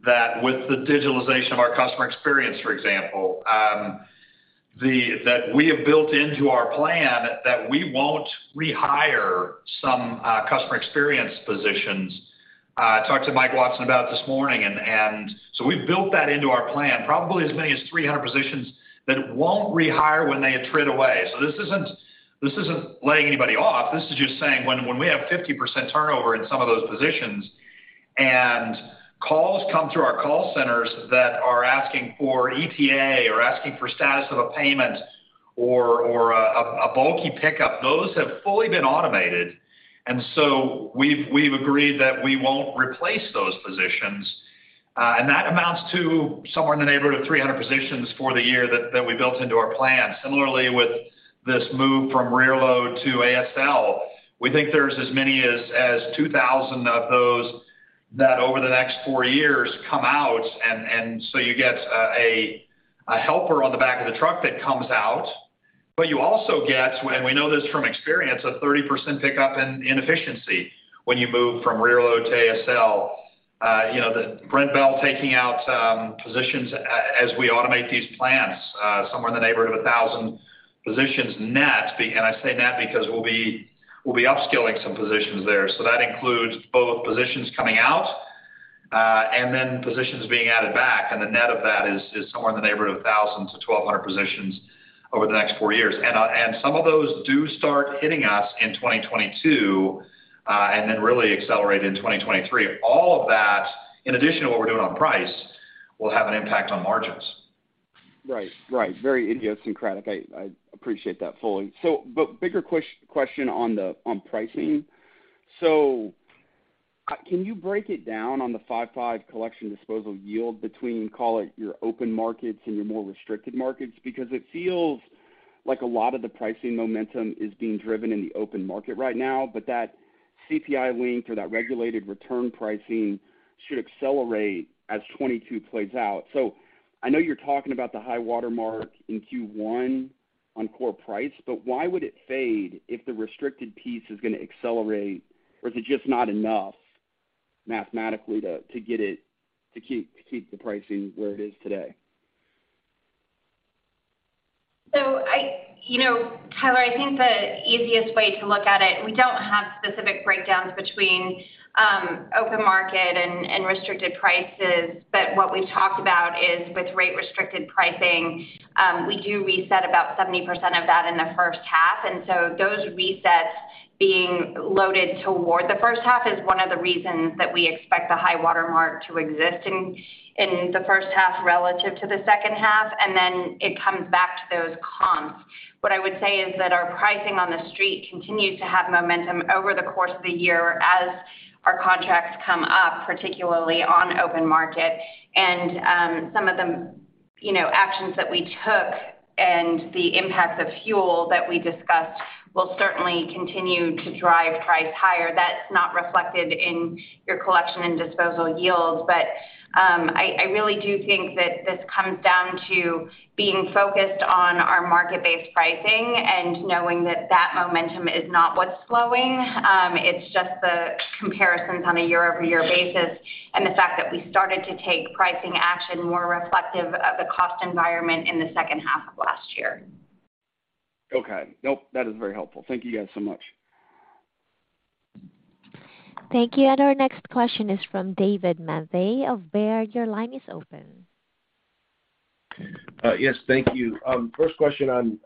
that with the digitalization of our customer experience, for example, that we have built into our plan that we won't rehire some customer experience positions. We talked to Mike Watson about it this morning and we've built that into our plan, probably as many as 300 positions that won't rehire when they attrit away. This isn't laying anybody off. This is just saying when we have 50% turnover in some of those positions, and calls come through our call centers that are asking for ETA or asking for status of a payment or a bulky pickup, those have fully been automated. We've agreed that we won't replace those positions, and that amounts to somewhere in the neighborhood of 300 positions for the year that we built into our plan. Similarly, with this move from rear load to ASL, we think there's as many as 2,000 of those that over the next 4 years come out, and so you get a helper on the back of the truck that comes out. You also get, and we know this from experience, a 30% pickup in efficiency when you move from rear load to ASL. You know, with Brent Bell taking out positions as we automate these plants, somewhere in the neighborhood of 1,000 positions net. I say net because we'll be upskilling some positions there. That includes both positions coming out and then positions being added back, and the net of that is somewhere in the neighborhood of 1,000-1,200 positions over the next four years. Some of those do start hitting us in 2022 and then really accelerate in 2023. All of that, in addition to what we're doing on price, will have an impact on margins. Right. Very idiosyncratic. I appreciate that fully. Bigger question on pricing. Can you break it down on the 5/5 collection disposal yield between, call it, your open markets and your more restricted markets? Because it feels like a lot of the pricing momentum is being driven in the open market right now, but that CPI link or that regulated return pricing should accelerate as 2022 plays out. I know you're talking about the high watermark in Q1 on core price, but why would it fade if the restricted piece is gonna accelerate, or is it just not enough mathematically to get it to keep the pricing where it is today? You know, Tyler, I think the easiest way to look at it, we don't have specific breakdowns between open market and restricted prices. What we've talked about is with rate-restricted pricing, we do reset about 70% of that in the first half. Those resets being loaded toward the first half is one of the reasons that we expect the high watermark to exist in the first half relative to the second half. Then it comes back to those comps. What I would say is that our pricing on the street continues to have momentum over the course of the year as our contracts come up, particularly on open market. Some of the, you know, actions that we took and the impacts of fuel that we discussed will certainly continue to drive price higher. That's not reflected in your collection and disposal yields. I really do think that this comes down to being focused on our market-based pricing and knowing that that momentum is not what's slowing. It's just the comparisons on a year-over-year basis and the fact that we started to take pricing action more reflective of the cost environment in the second half of last year. Okay. Nope, that is very helpful. Thank you guys so much. Thank you. Our next question is from David Manthey of Baird. Your line is open. Yes, thank you. First question on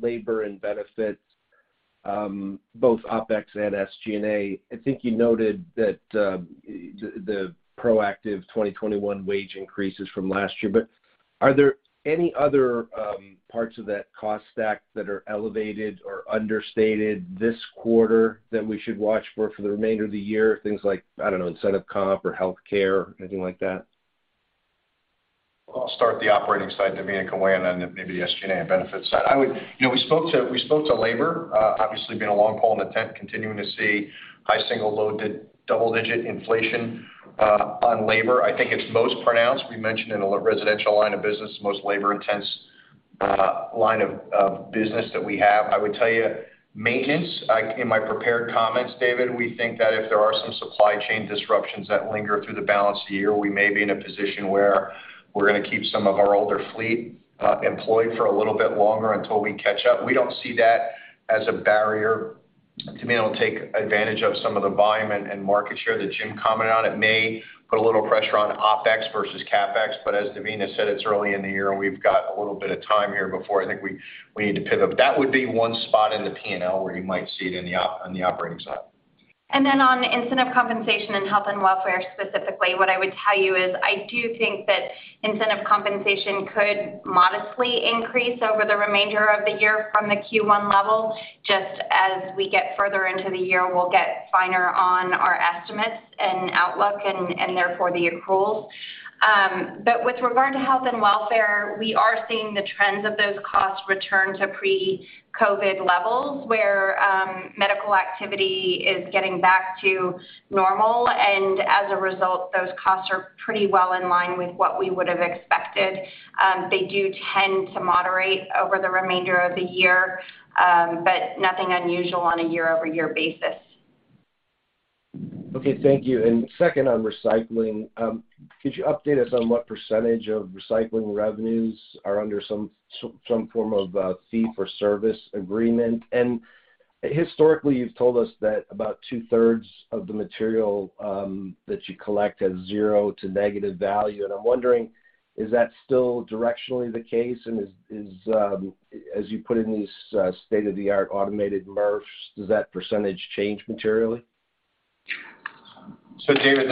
labor and benefits, both OpEx and SG&A. I think you noted that the proactive 2021 wage increases from last year. But are there any other parts of that cost stack that are elevated or understated this quarter that we should watch for the remainder of the year, things like, I don't know, incentive comp or healthcare, anything like that? I'll start the operating side, Devina can weigh in on maybe the SG&A and benefit side. You know, we spoke to labor, obviously being a long pole in the tent, continuing to see high single, low to double-digit inflation on labor. I think it's most pronounced. We mentioned in the residential line of business, most labor intense line of business that we have. I would tell you, maintenance, like in my prepared comments, David, we think that if there are some supply chain disruptions that linger through the balance of the year, we may be in a position where we're gonna keep some of our older fleet employed for a little bit longer until we catch up. We don't see that as a barrier to being able to take advantage of some of the volume and market share that Jim commented on. It may put a little pressure on OpEx versus CapEx, but as Devina said, it's early in the year, and we've got a little bit of time here before I think we need to pivot. That would be one spot in the P&L where you might see it on the operating side. Then on incentive compensation and health and welfare, specifically, what I would tell you is I do think that incentive compensation could modestly increase over the remainder of the year from the Q1 level. Just as we get further into the year, we'll get finer on our estimates and outlook and therefore the accruals. But with regard to health and welfare, we are seeing the trends of those costs return to pre-COVID levels, where medical activity is getting back to normal. As a result, those costs are pretty well in line with what we would have expected. They do tend to moderate over the remainder of the year, but nothing unusual on a year-over-year basis. Okay, thank you. Second on recycling, could you update us on what percentage of recycling revenues are under some form of a fee for service agreement? Historically, you've told us that about two-thirds of the material that you collect has zero to negative value. I'm wondering, is that still directionally the case? As you put in these state-of-the-art automated MRFs, does that percentage change materially? David,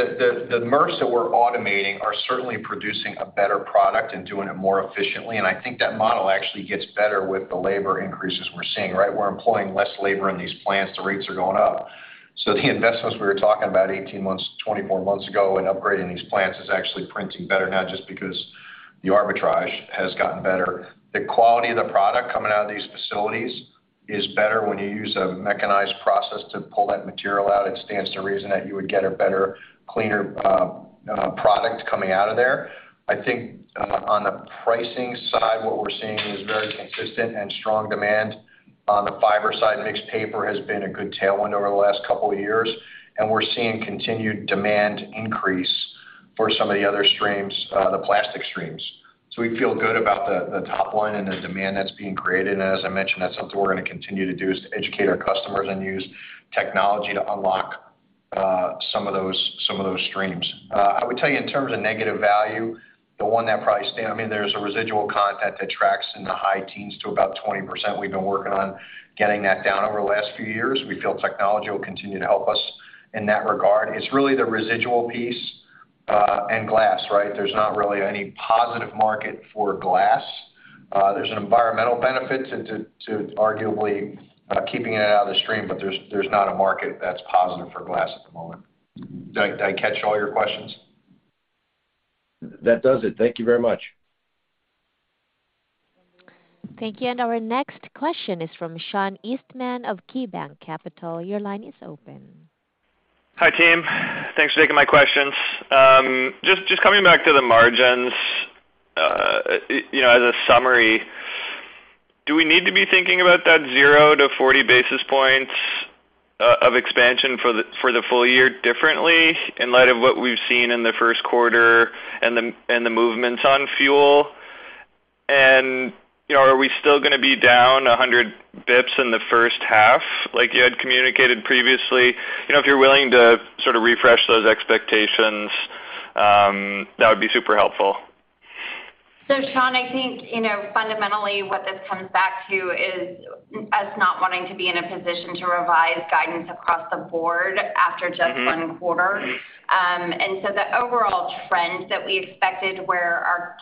the MRFs that we're automating are certainly producing a better product and doing it more efficiently. I think that model actually gets better with the labor increases we're seeing, right? We're employing less labor in these plants, the rates are going up. The investments we were talking about 18 months, 24 months ago in upgrading these plants is actually printing better now just because the arbitrage has gotten better. The quality of the product coming out of these facilities is better when you use a mechanized process to pull that material out. It stands to reason that you would get a better, cleaner product coming out of there. I think on the pricing side, what we're seeing is very consistent and strong demand. On the fiber side, mixed paper has been a good tailwind over the last couple of years, and we're seeing continued demand increase for some of the other streams, the plastic streams. We feel good about the top line and the demand that's being created. As I mentioned, that's something we're gonna continue to do, is to educate our customers and use technology to unlock some of those streams. I would tell you in terms of negative value, I mean, there's a residual content that tracks in the high teens to about 20%. We've been working on getting that down over the last few years. We feel technology will continue to help us in that regard. It's really the residual piece and glass, right? There's not really any positive market for glass. There's an environmental benefit to arguably keeping it out of the stream, but there's not a market that's positive for glass at the moment. Did I catch all your questions? That does it. Thank you very much. Thank you. Our next question is from Sean Eastman of KeyBanc Capital Markets. Your line is open. Hi, team. Thanks for taking my questions. Just coming back to the margins, you know, as a summary, do we need to be thinking about that 0-40 basis points of expansion for the full year differently in light of what we've seen in the first quarter and the movements on fuel? You know, are we still gonna be down 100 basis points in the first half like you had communicated previously? You know, if you're willing to sort of refresh those expectations, that would be super helpful. Sean, I think, you know, fundamentally what this comes back to is us not wanting to be in a position to revise guidance across the board after just one quarter. The overall trends that we expected were our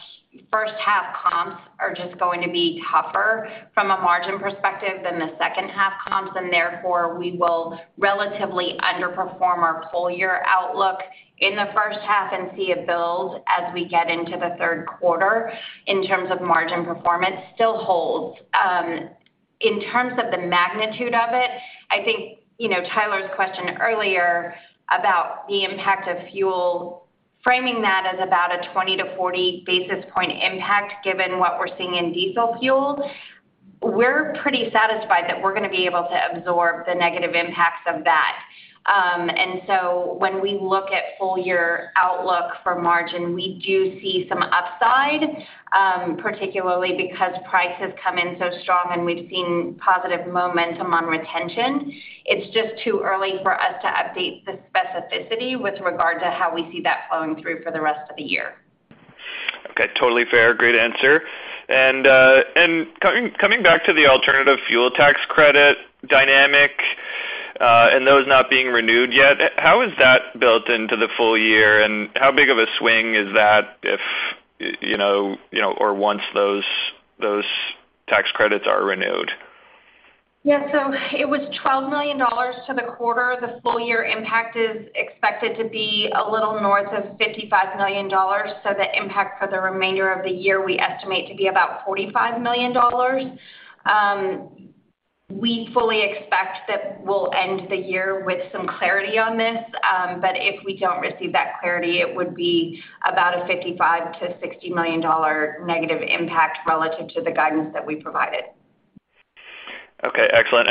first half comps are just going to be tougher from a margin perspective than the second half comps, and therefore, we will relatively underperform our full year outlook in the first half and see a build as we get into the third quarter in terms of margin performance still holds. In terms of the magnitude of it, I think, you know, Tyler's question earlier about the impact of fuel, framing that as about a 20-40 basis point impact given what we're seeing in diesel fuel, we're pretty satisfied that we're gonna be able to absorb the negative impacts of that. When we look at full year outlook for margin, we do see some upside, particularly because price has come in so strong and we've seen positive momentum on retention. It's just too early for us to update the specificity with regard to how we see that flowing through for the rest of the year. Okay, totally fair. Great answer. Coming back to the alternative fuel tax credit dynamic, and those not being renewed yet, how is that built into the full year, and how big of a swing is that if, you know, or once those tax credits are renewed? Yeah. It was $12 million for the quarter. The full year impact is expected to be a little north of $55 million, so the impact for the remainder of the year, we estimate to be about $45 million. We fully expect that we'll end the year with some clarity on this. If we don't receive that clarity, it would be about a $55 million-$60 million negative impact relative to the guidance that we provided. Okay, excellent.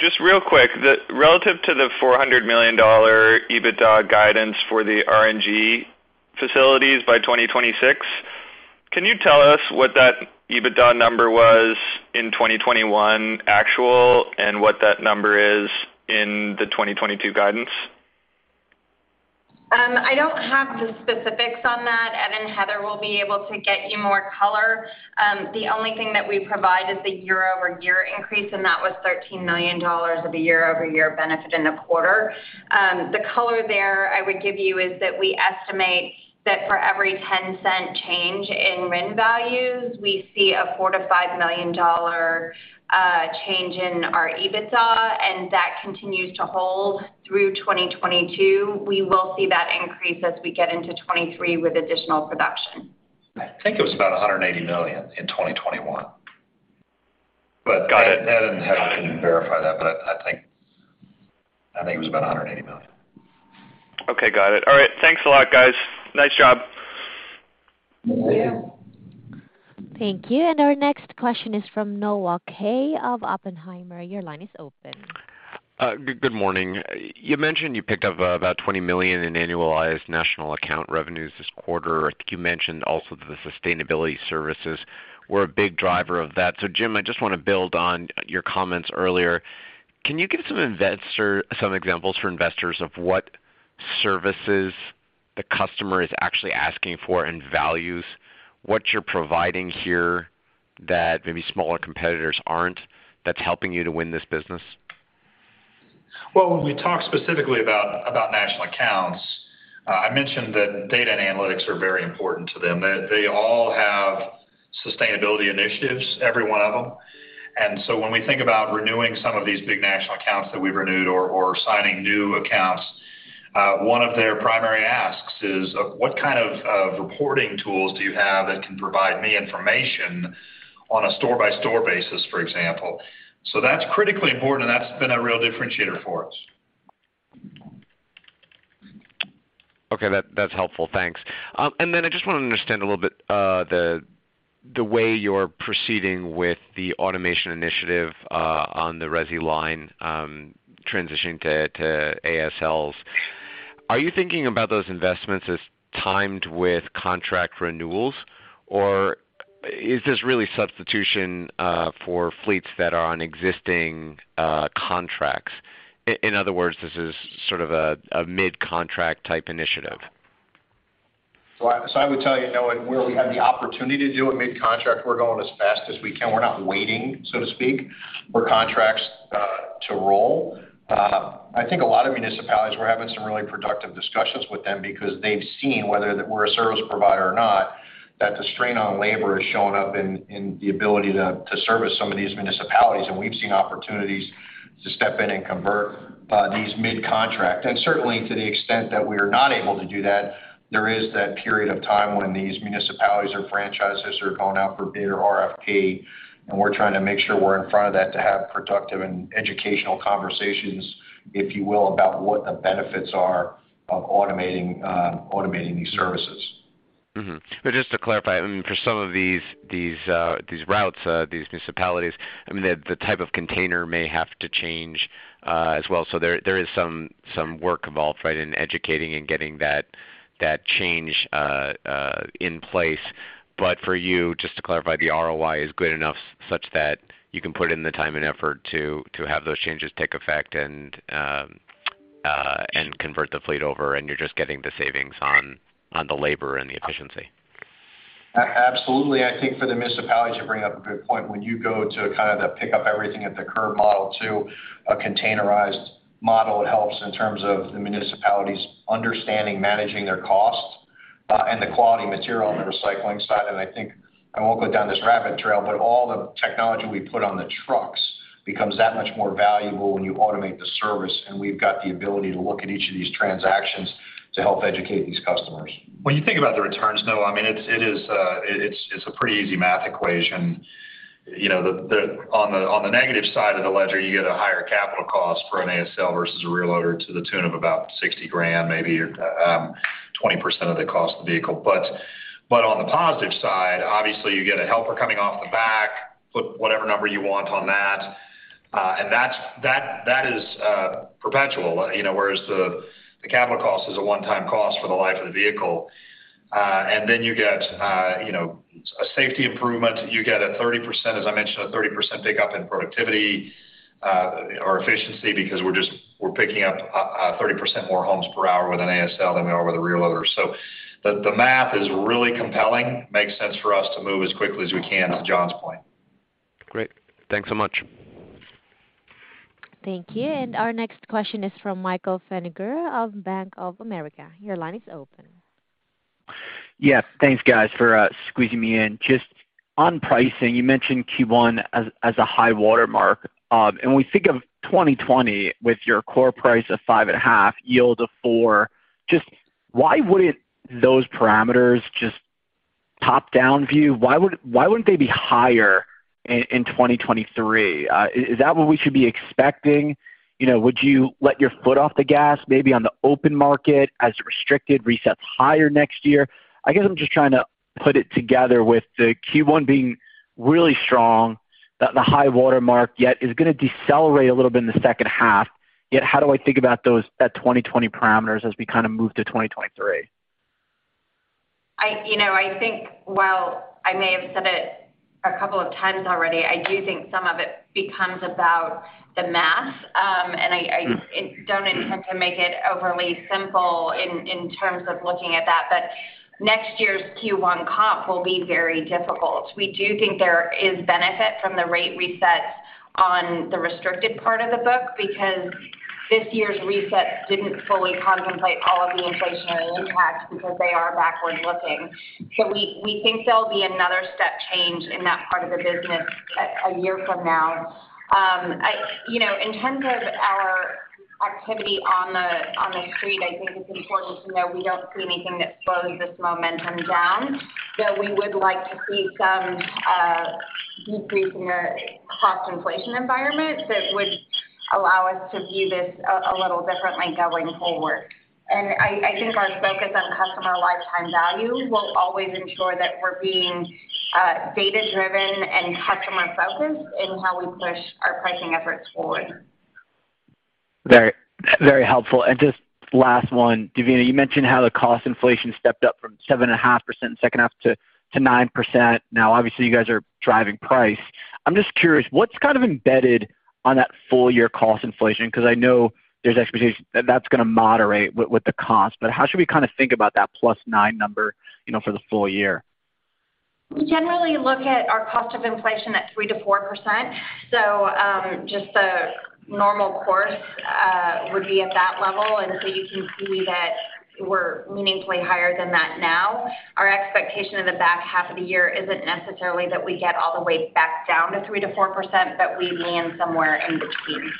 Just real quick, the relative to the $400 million EBITDA guidance for the RNG facilities by 2026, can you tell us what that EBITDA number was in 2021 actual and what that number is in the 2022 guidance? I don't have the specifics on that. Evan, Heather will be able to get you more color. The only thing that we provide is the year-over-year increase, and that was $13 million of the year-over-year benefit in the quarter. The color there I would give you is that we estimate that for every 10-cent change in RIN values, we see a $4 million-$5 million change in our EBITDA, and that continues to hold through 2022. We will see that increase as we get into 2023 with additional production. I think it was about $180 million in 2021. Got it. Evan can verify that, but I think it was about $180 million. Okay, got it. All right. Thanks a lot, guys. Nice job. Thank you. Thank you. Our next question is from Noah Kaye of Oppenheimer. Your line is open. Good morning. You mentioned you picked up about $20 million in annualized national account revenues this quarter. I think you mentioned also the sustainability services were a big driver of that. Jim, I just wanna build on your comments earlier. Can you give investors some examples for investors of what services the customer is actually asking for and values, what you're providing here that maybe smaller competitors aren't, that's helping you to win this business? Well, when we talk specifically about national accounts, I mentioned that data and analytics are very important to them. They all have sustainability initiatives, every one of them. When we think about renewing some of these big national accounts that we've renewed or signing new accounts, one of their primary asks is of what kind of reporting tools do you have that can provide me information on a store-by-store basis, for example. That's critically important, and that's been a real differentiator for us. Okay. That's helpful. Thanks. I just wanna understand a little bit, the way you're proceeding with the automation initiative on the resi line, transitioning to ASLs. Are you thinking about those investments as timed with contract renewals, or is this really substitution for fleets that are on existing contracts? In other words, this is sort of a mid-contract type initiative. I would tell you, Noah, where we have the opportunity to do a mid-contract, we're going as fast as we can. We're not waiting, so to speak, for contracts to roll. I think a lot of municipalities, we're having some really productive discussions with them because they've seen whether we're a service provider or not, that the strain on labor has shown up in the ability to service some of these municipalities. We've seen opportunities to step in and convert these mid-contract. Certainly to the extent that we are not able to do that, there is that period of time when these municipalities or franchises are going out for bid or RFP, and we're trying to make sure we're in front of that to have productive and educational conversations, if you will, about what the benefits are of automating these services. Just to clarify, I mean, for some of these routes, these municipalities, I mean, the type of container may have to change as well. There is some work involved, right, in educating and getting that change in place. For you, just to clarify, the ROI is good enough such that you can put in the time and effort to have those changes take effect and convert the fleet over, and you're just getting the savings on the labor and the efficiency. Absolutely. I think for the municipalities, you bring up a good point. When you go to kind of the pick up everything at the curb model to a containerized model, it helps in terms of the municipalities understanding managing their costs. The quality material on the recycling side, and I think, I won't go down this rabbit trail, but all the technology we put on the trucks becomes that much more valuable when you automate the service. We've got the ability to look at each of these transactions to help educate these customers. When you think about the returns, though, I mean it's a pretty easy math equation. You know, on the negative side of the ledger, you get a higher capital cost for an ASL versus a rear loader to the tune of about $60,000, maybe, 20% of the cost of the vehicle. But on the positive side, obviously you get a helper coming off the back, put whatever number you want on that. That's perpetual, you know, whereas the capital cost is a one-time cost for the life of the vehicle. Then you get, you know, a safety improvement. You get a 30%, as I mentioned, a 30% pickup in productivity or efficiency because we're picking up 30% more homes per hour with an ASL than we are with a rear loader. The math is really compelling. Makes sense for us to move as quickly as we can, to John's point. Great. Thanks so much. Thank you. Our next question is from Michael Feniger of Bank of America. Your line is open. Yeah. Thanks, guys, for squeezing me in. Just on pricing, you mentioned Q1 as a high watermark. When we think of 2020 with your core price of 5.5, yield of 4, just why wouldn't those parameters just top-down view be higher in 2023? Is that what we should be expecting? You know, would you let your foot off the gas maybe on the open market as the restricted resets higher next year? I guess I'm just trying to put it together with the Q1 being really strong, that the high watermark is gonna decelerate a little bit in the second half, yet how do I think about those 2020 parameters as we kind of move to 2023? You know, I think while I may have said it a couple of times already, I do think some of it becomes about the math. I don't intend to make it overly simple in terms of looking at that, but next year's Q1 comp will be very difficult. We do think there is benefit from the rate resets on the restricted part of the book because this year's resets didn't fully contemplate all of the inflationary impacts because they are backward-looking. We think there'll be another step change in that part of the business a year from now. You know, in terms of our activity on the street, I think it's important to know we don't see anything that slows this momentum down, that we would like to see some decrease in our cost inflation environment that would allow us to view this a little differently going forward. I think our focus on customer lifetime value will always ensure that we're being data-driven and customer-focused in how we push our pricing efforts forward. Very, very helpful. Just last one. Devina, you mentioned how the cost inflation stepped up from 7.5% in second half to 9%. Now, obviously, you guys are driving price. I'm just curious, what's kind of embedded on that full year cost inflation? 'Cause I know there's expectation that that's gonna moderate with the cost, but how should we kinda think about that +9 number, you know, for the full year? We generally look at our cost of inflation at 3%-4%. Just the normal course would be at that level. You can see that we're meaningfully higher than that now. Our expectation of the back half of the year isn't necessarily that we get all the way back down to 3%-4%, but we land somewhere in between.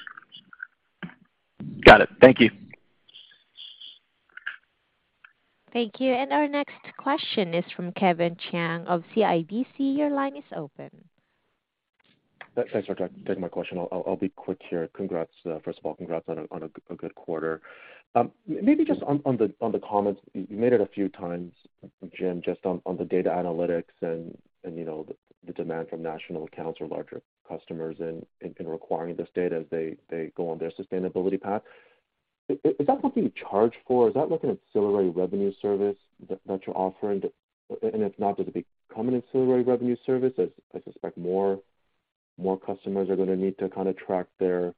Got it. Thank you. Thank you. Our next question is from Kevin Chiang of CIBC. Your line is open. Thanks for taking my question. I'll be quick here. Congrats. First of all, congrats on a good quarter. Maybe just on the comments you made a few times, Jim, just on the data analytics and you know the demand from national accounts or larger customers in requiring this data as they go on their sustainability path. Is that something you charge for? Is that like an ancillary revenue service that you're offering? If not, does it become an ancillary revenue service as I suspect more customers are gonna need to kinda track their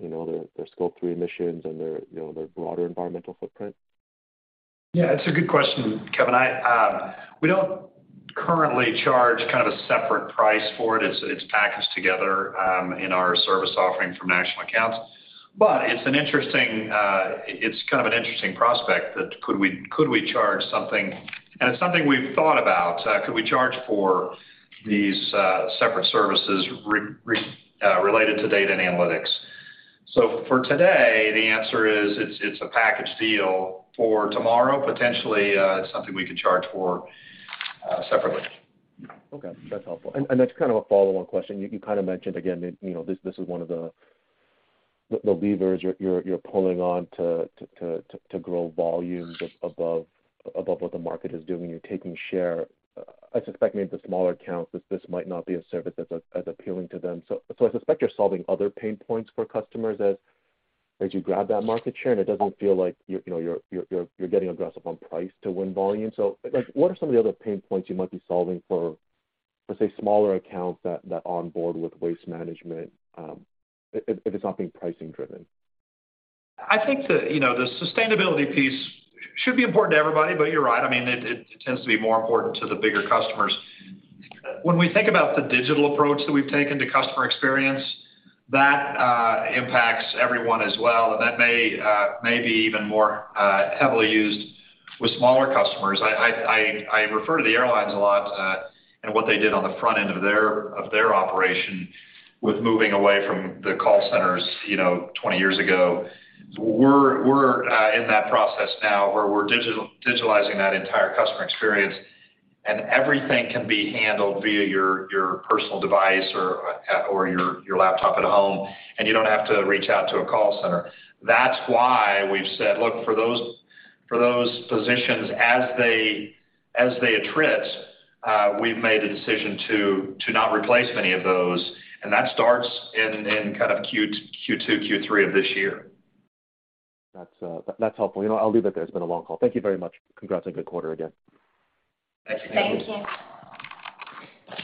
you know their scope three emissions and their you know their broader environmental footprint? Yeah, it's a good question, Kevin. We don't currently charge kind of a separate price for it. It's packaged together in our service offering for national accounts. It's kind of an interesting prospect that could we charge something? It's something we've thought about. Could we charge for these separate services related to data and analytics? For today, the answer is it's a package deal. For tomorrow, potentially, it's something we could charge for separately. Okay. That's helpful. It's kind of a follow-on question. You kind of mentioned again, you know, this is one of the levers you're pulling on to grow volume above what the market is doing. You're taking share. I suspect maybe the smaller accounts, this might not be a service that's as appealing to them. I suspect you're solving other pain points for customers as you grab that market share, and it doesn't feel like you're, you know, getting aggressive on price to win volume. Like, what are some of the other pain points you might be solving for, let's say, smaller accounts that onboard with Waste Management, if it's not being pricing driven? I think you know the sustainability piece should be important to everybody, but you're right. I mean, it tends to be more important to the bigger customers. When we think about the digital approach that we've taken to customer experience, that impacts everyone as well, and that may be even more heavily used with smaller customers. I refer to the airlines a lot, and what they did on the front end of their operation with moving away from the call centers, you know, 20 years ago. We're in that process now where we're digitizing that entire customer experience, and everything can be handled via your personal device or your laptop at home, and you don't have to reach out to a call center. That's why we've said, look, for those positions as they attrit, we've made a decision to not replace many of those, and that starts in kind of Q2, Q3 of this year. That's helpful. You know, I'll leave it there. It's been a long call. Thank you very much. Congrats on a good quarter again. Thank you. Thank you.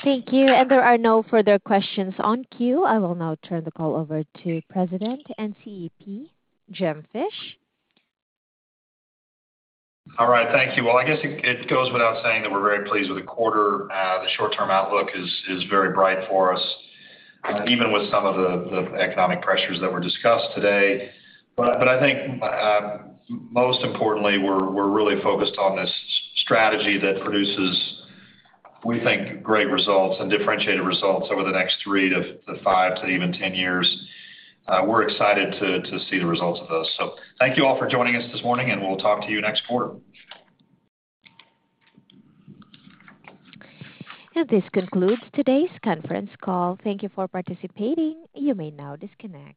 Thank you. There are no further questions in the queue. I will now turn the call over to President and CEO, Jim Fish. All right. Thank you. Well, I guess it goes without saying that we're very pleased with the quarter. The short-term outlook is very bright for us, even with some of the economic pressures that were discussed today. I think most importantly, we're really focused on this strategy that produces, we think, great results and differentiated results over the next three to five to even 10 years. We're excited to see the results of those. Thank you all for joining us this morning, and we'll talk to you next quarter. This concludes today's conference call. Thank you for participating. You may now disconnect.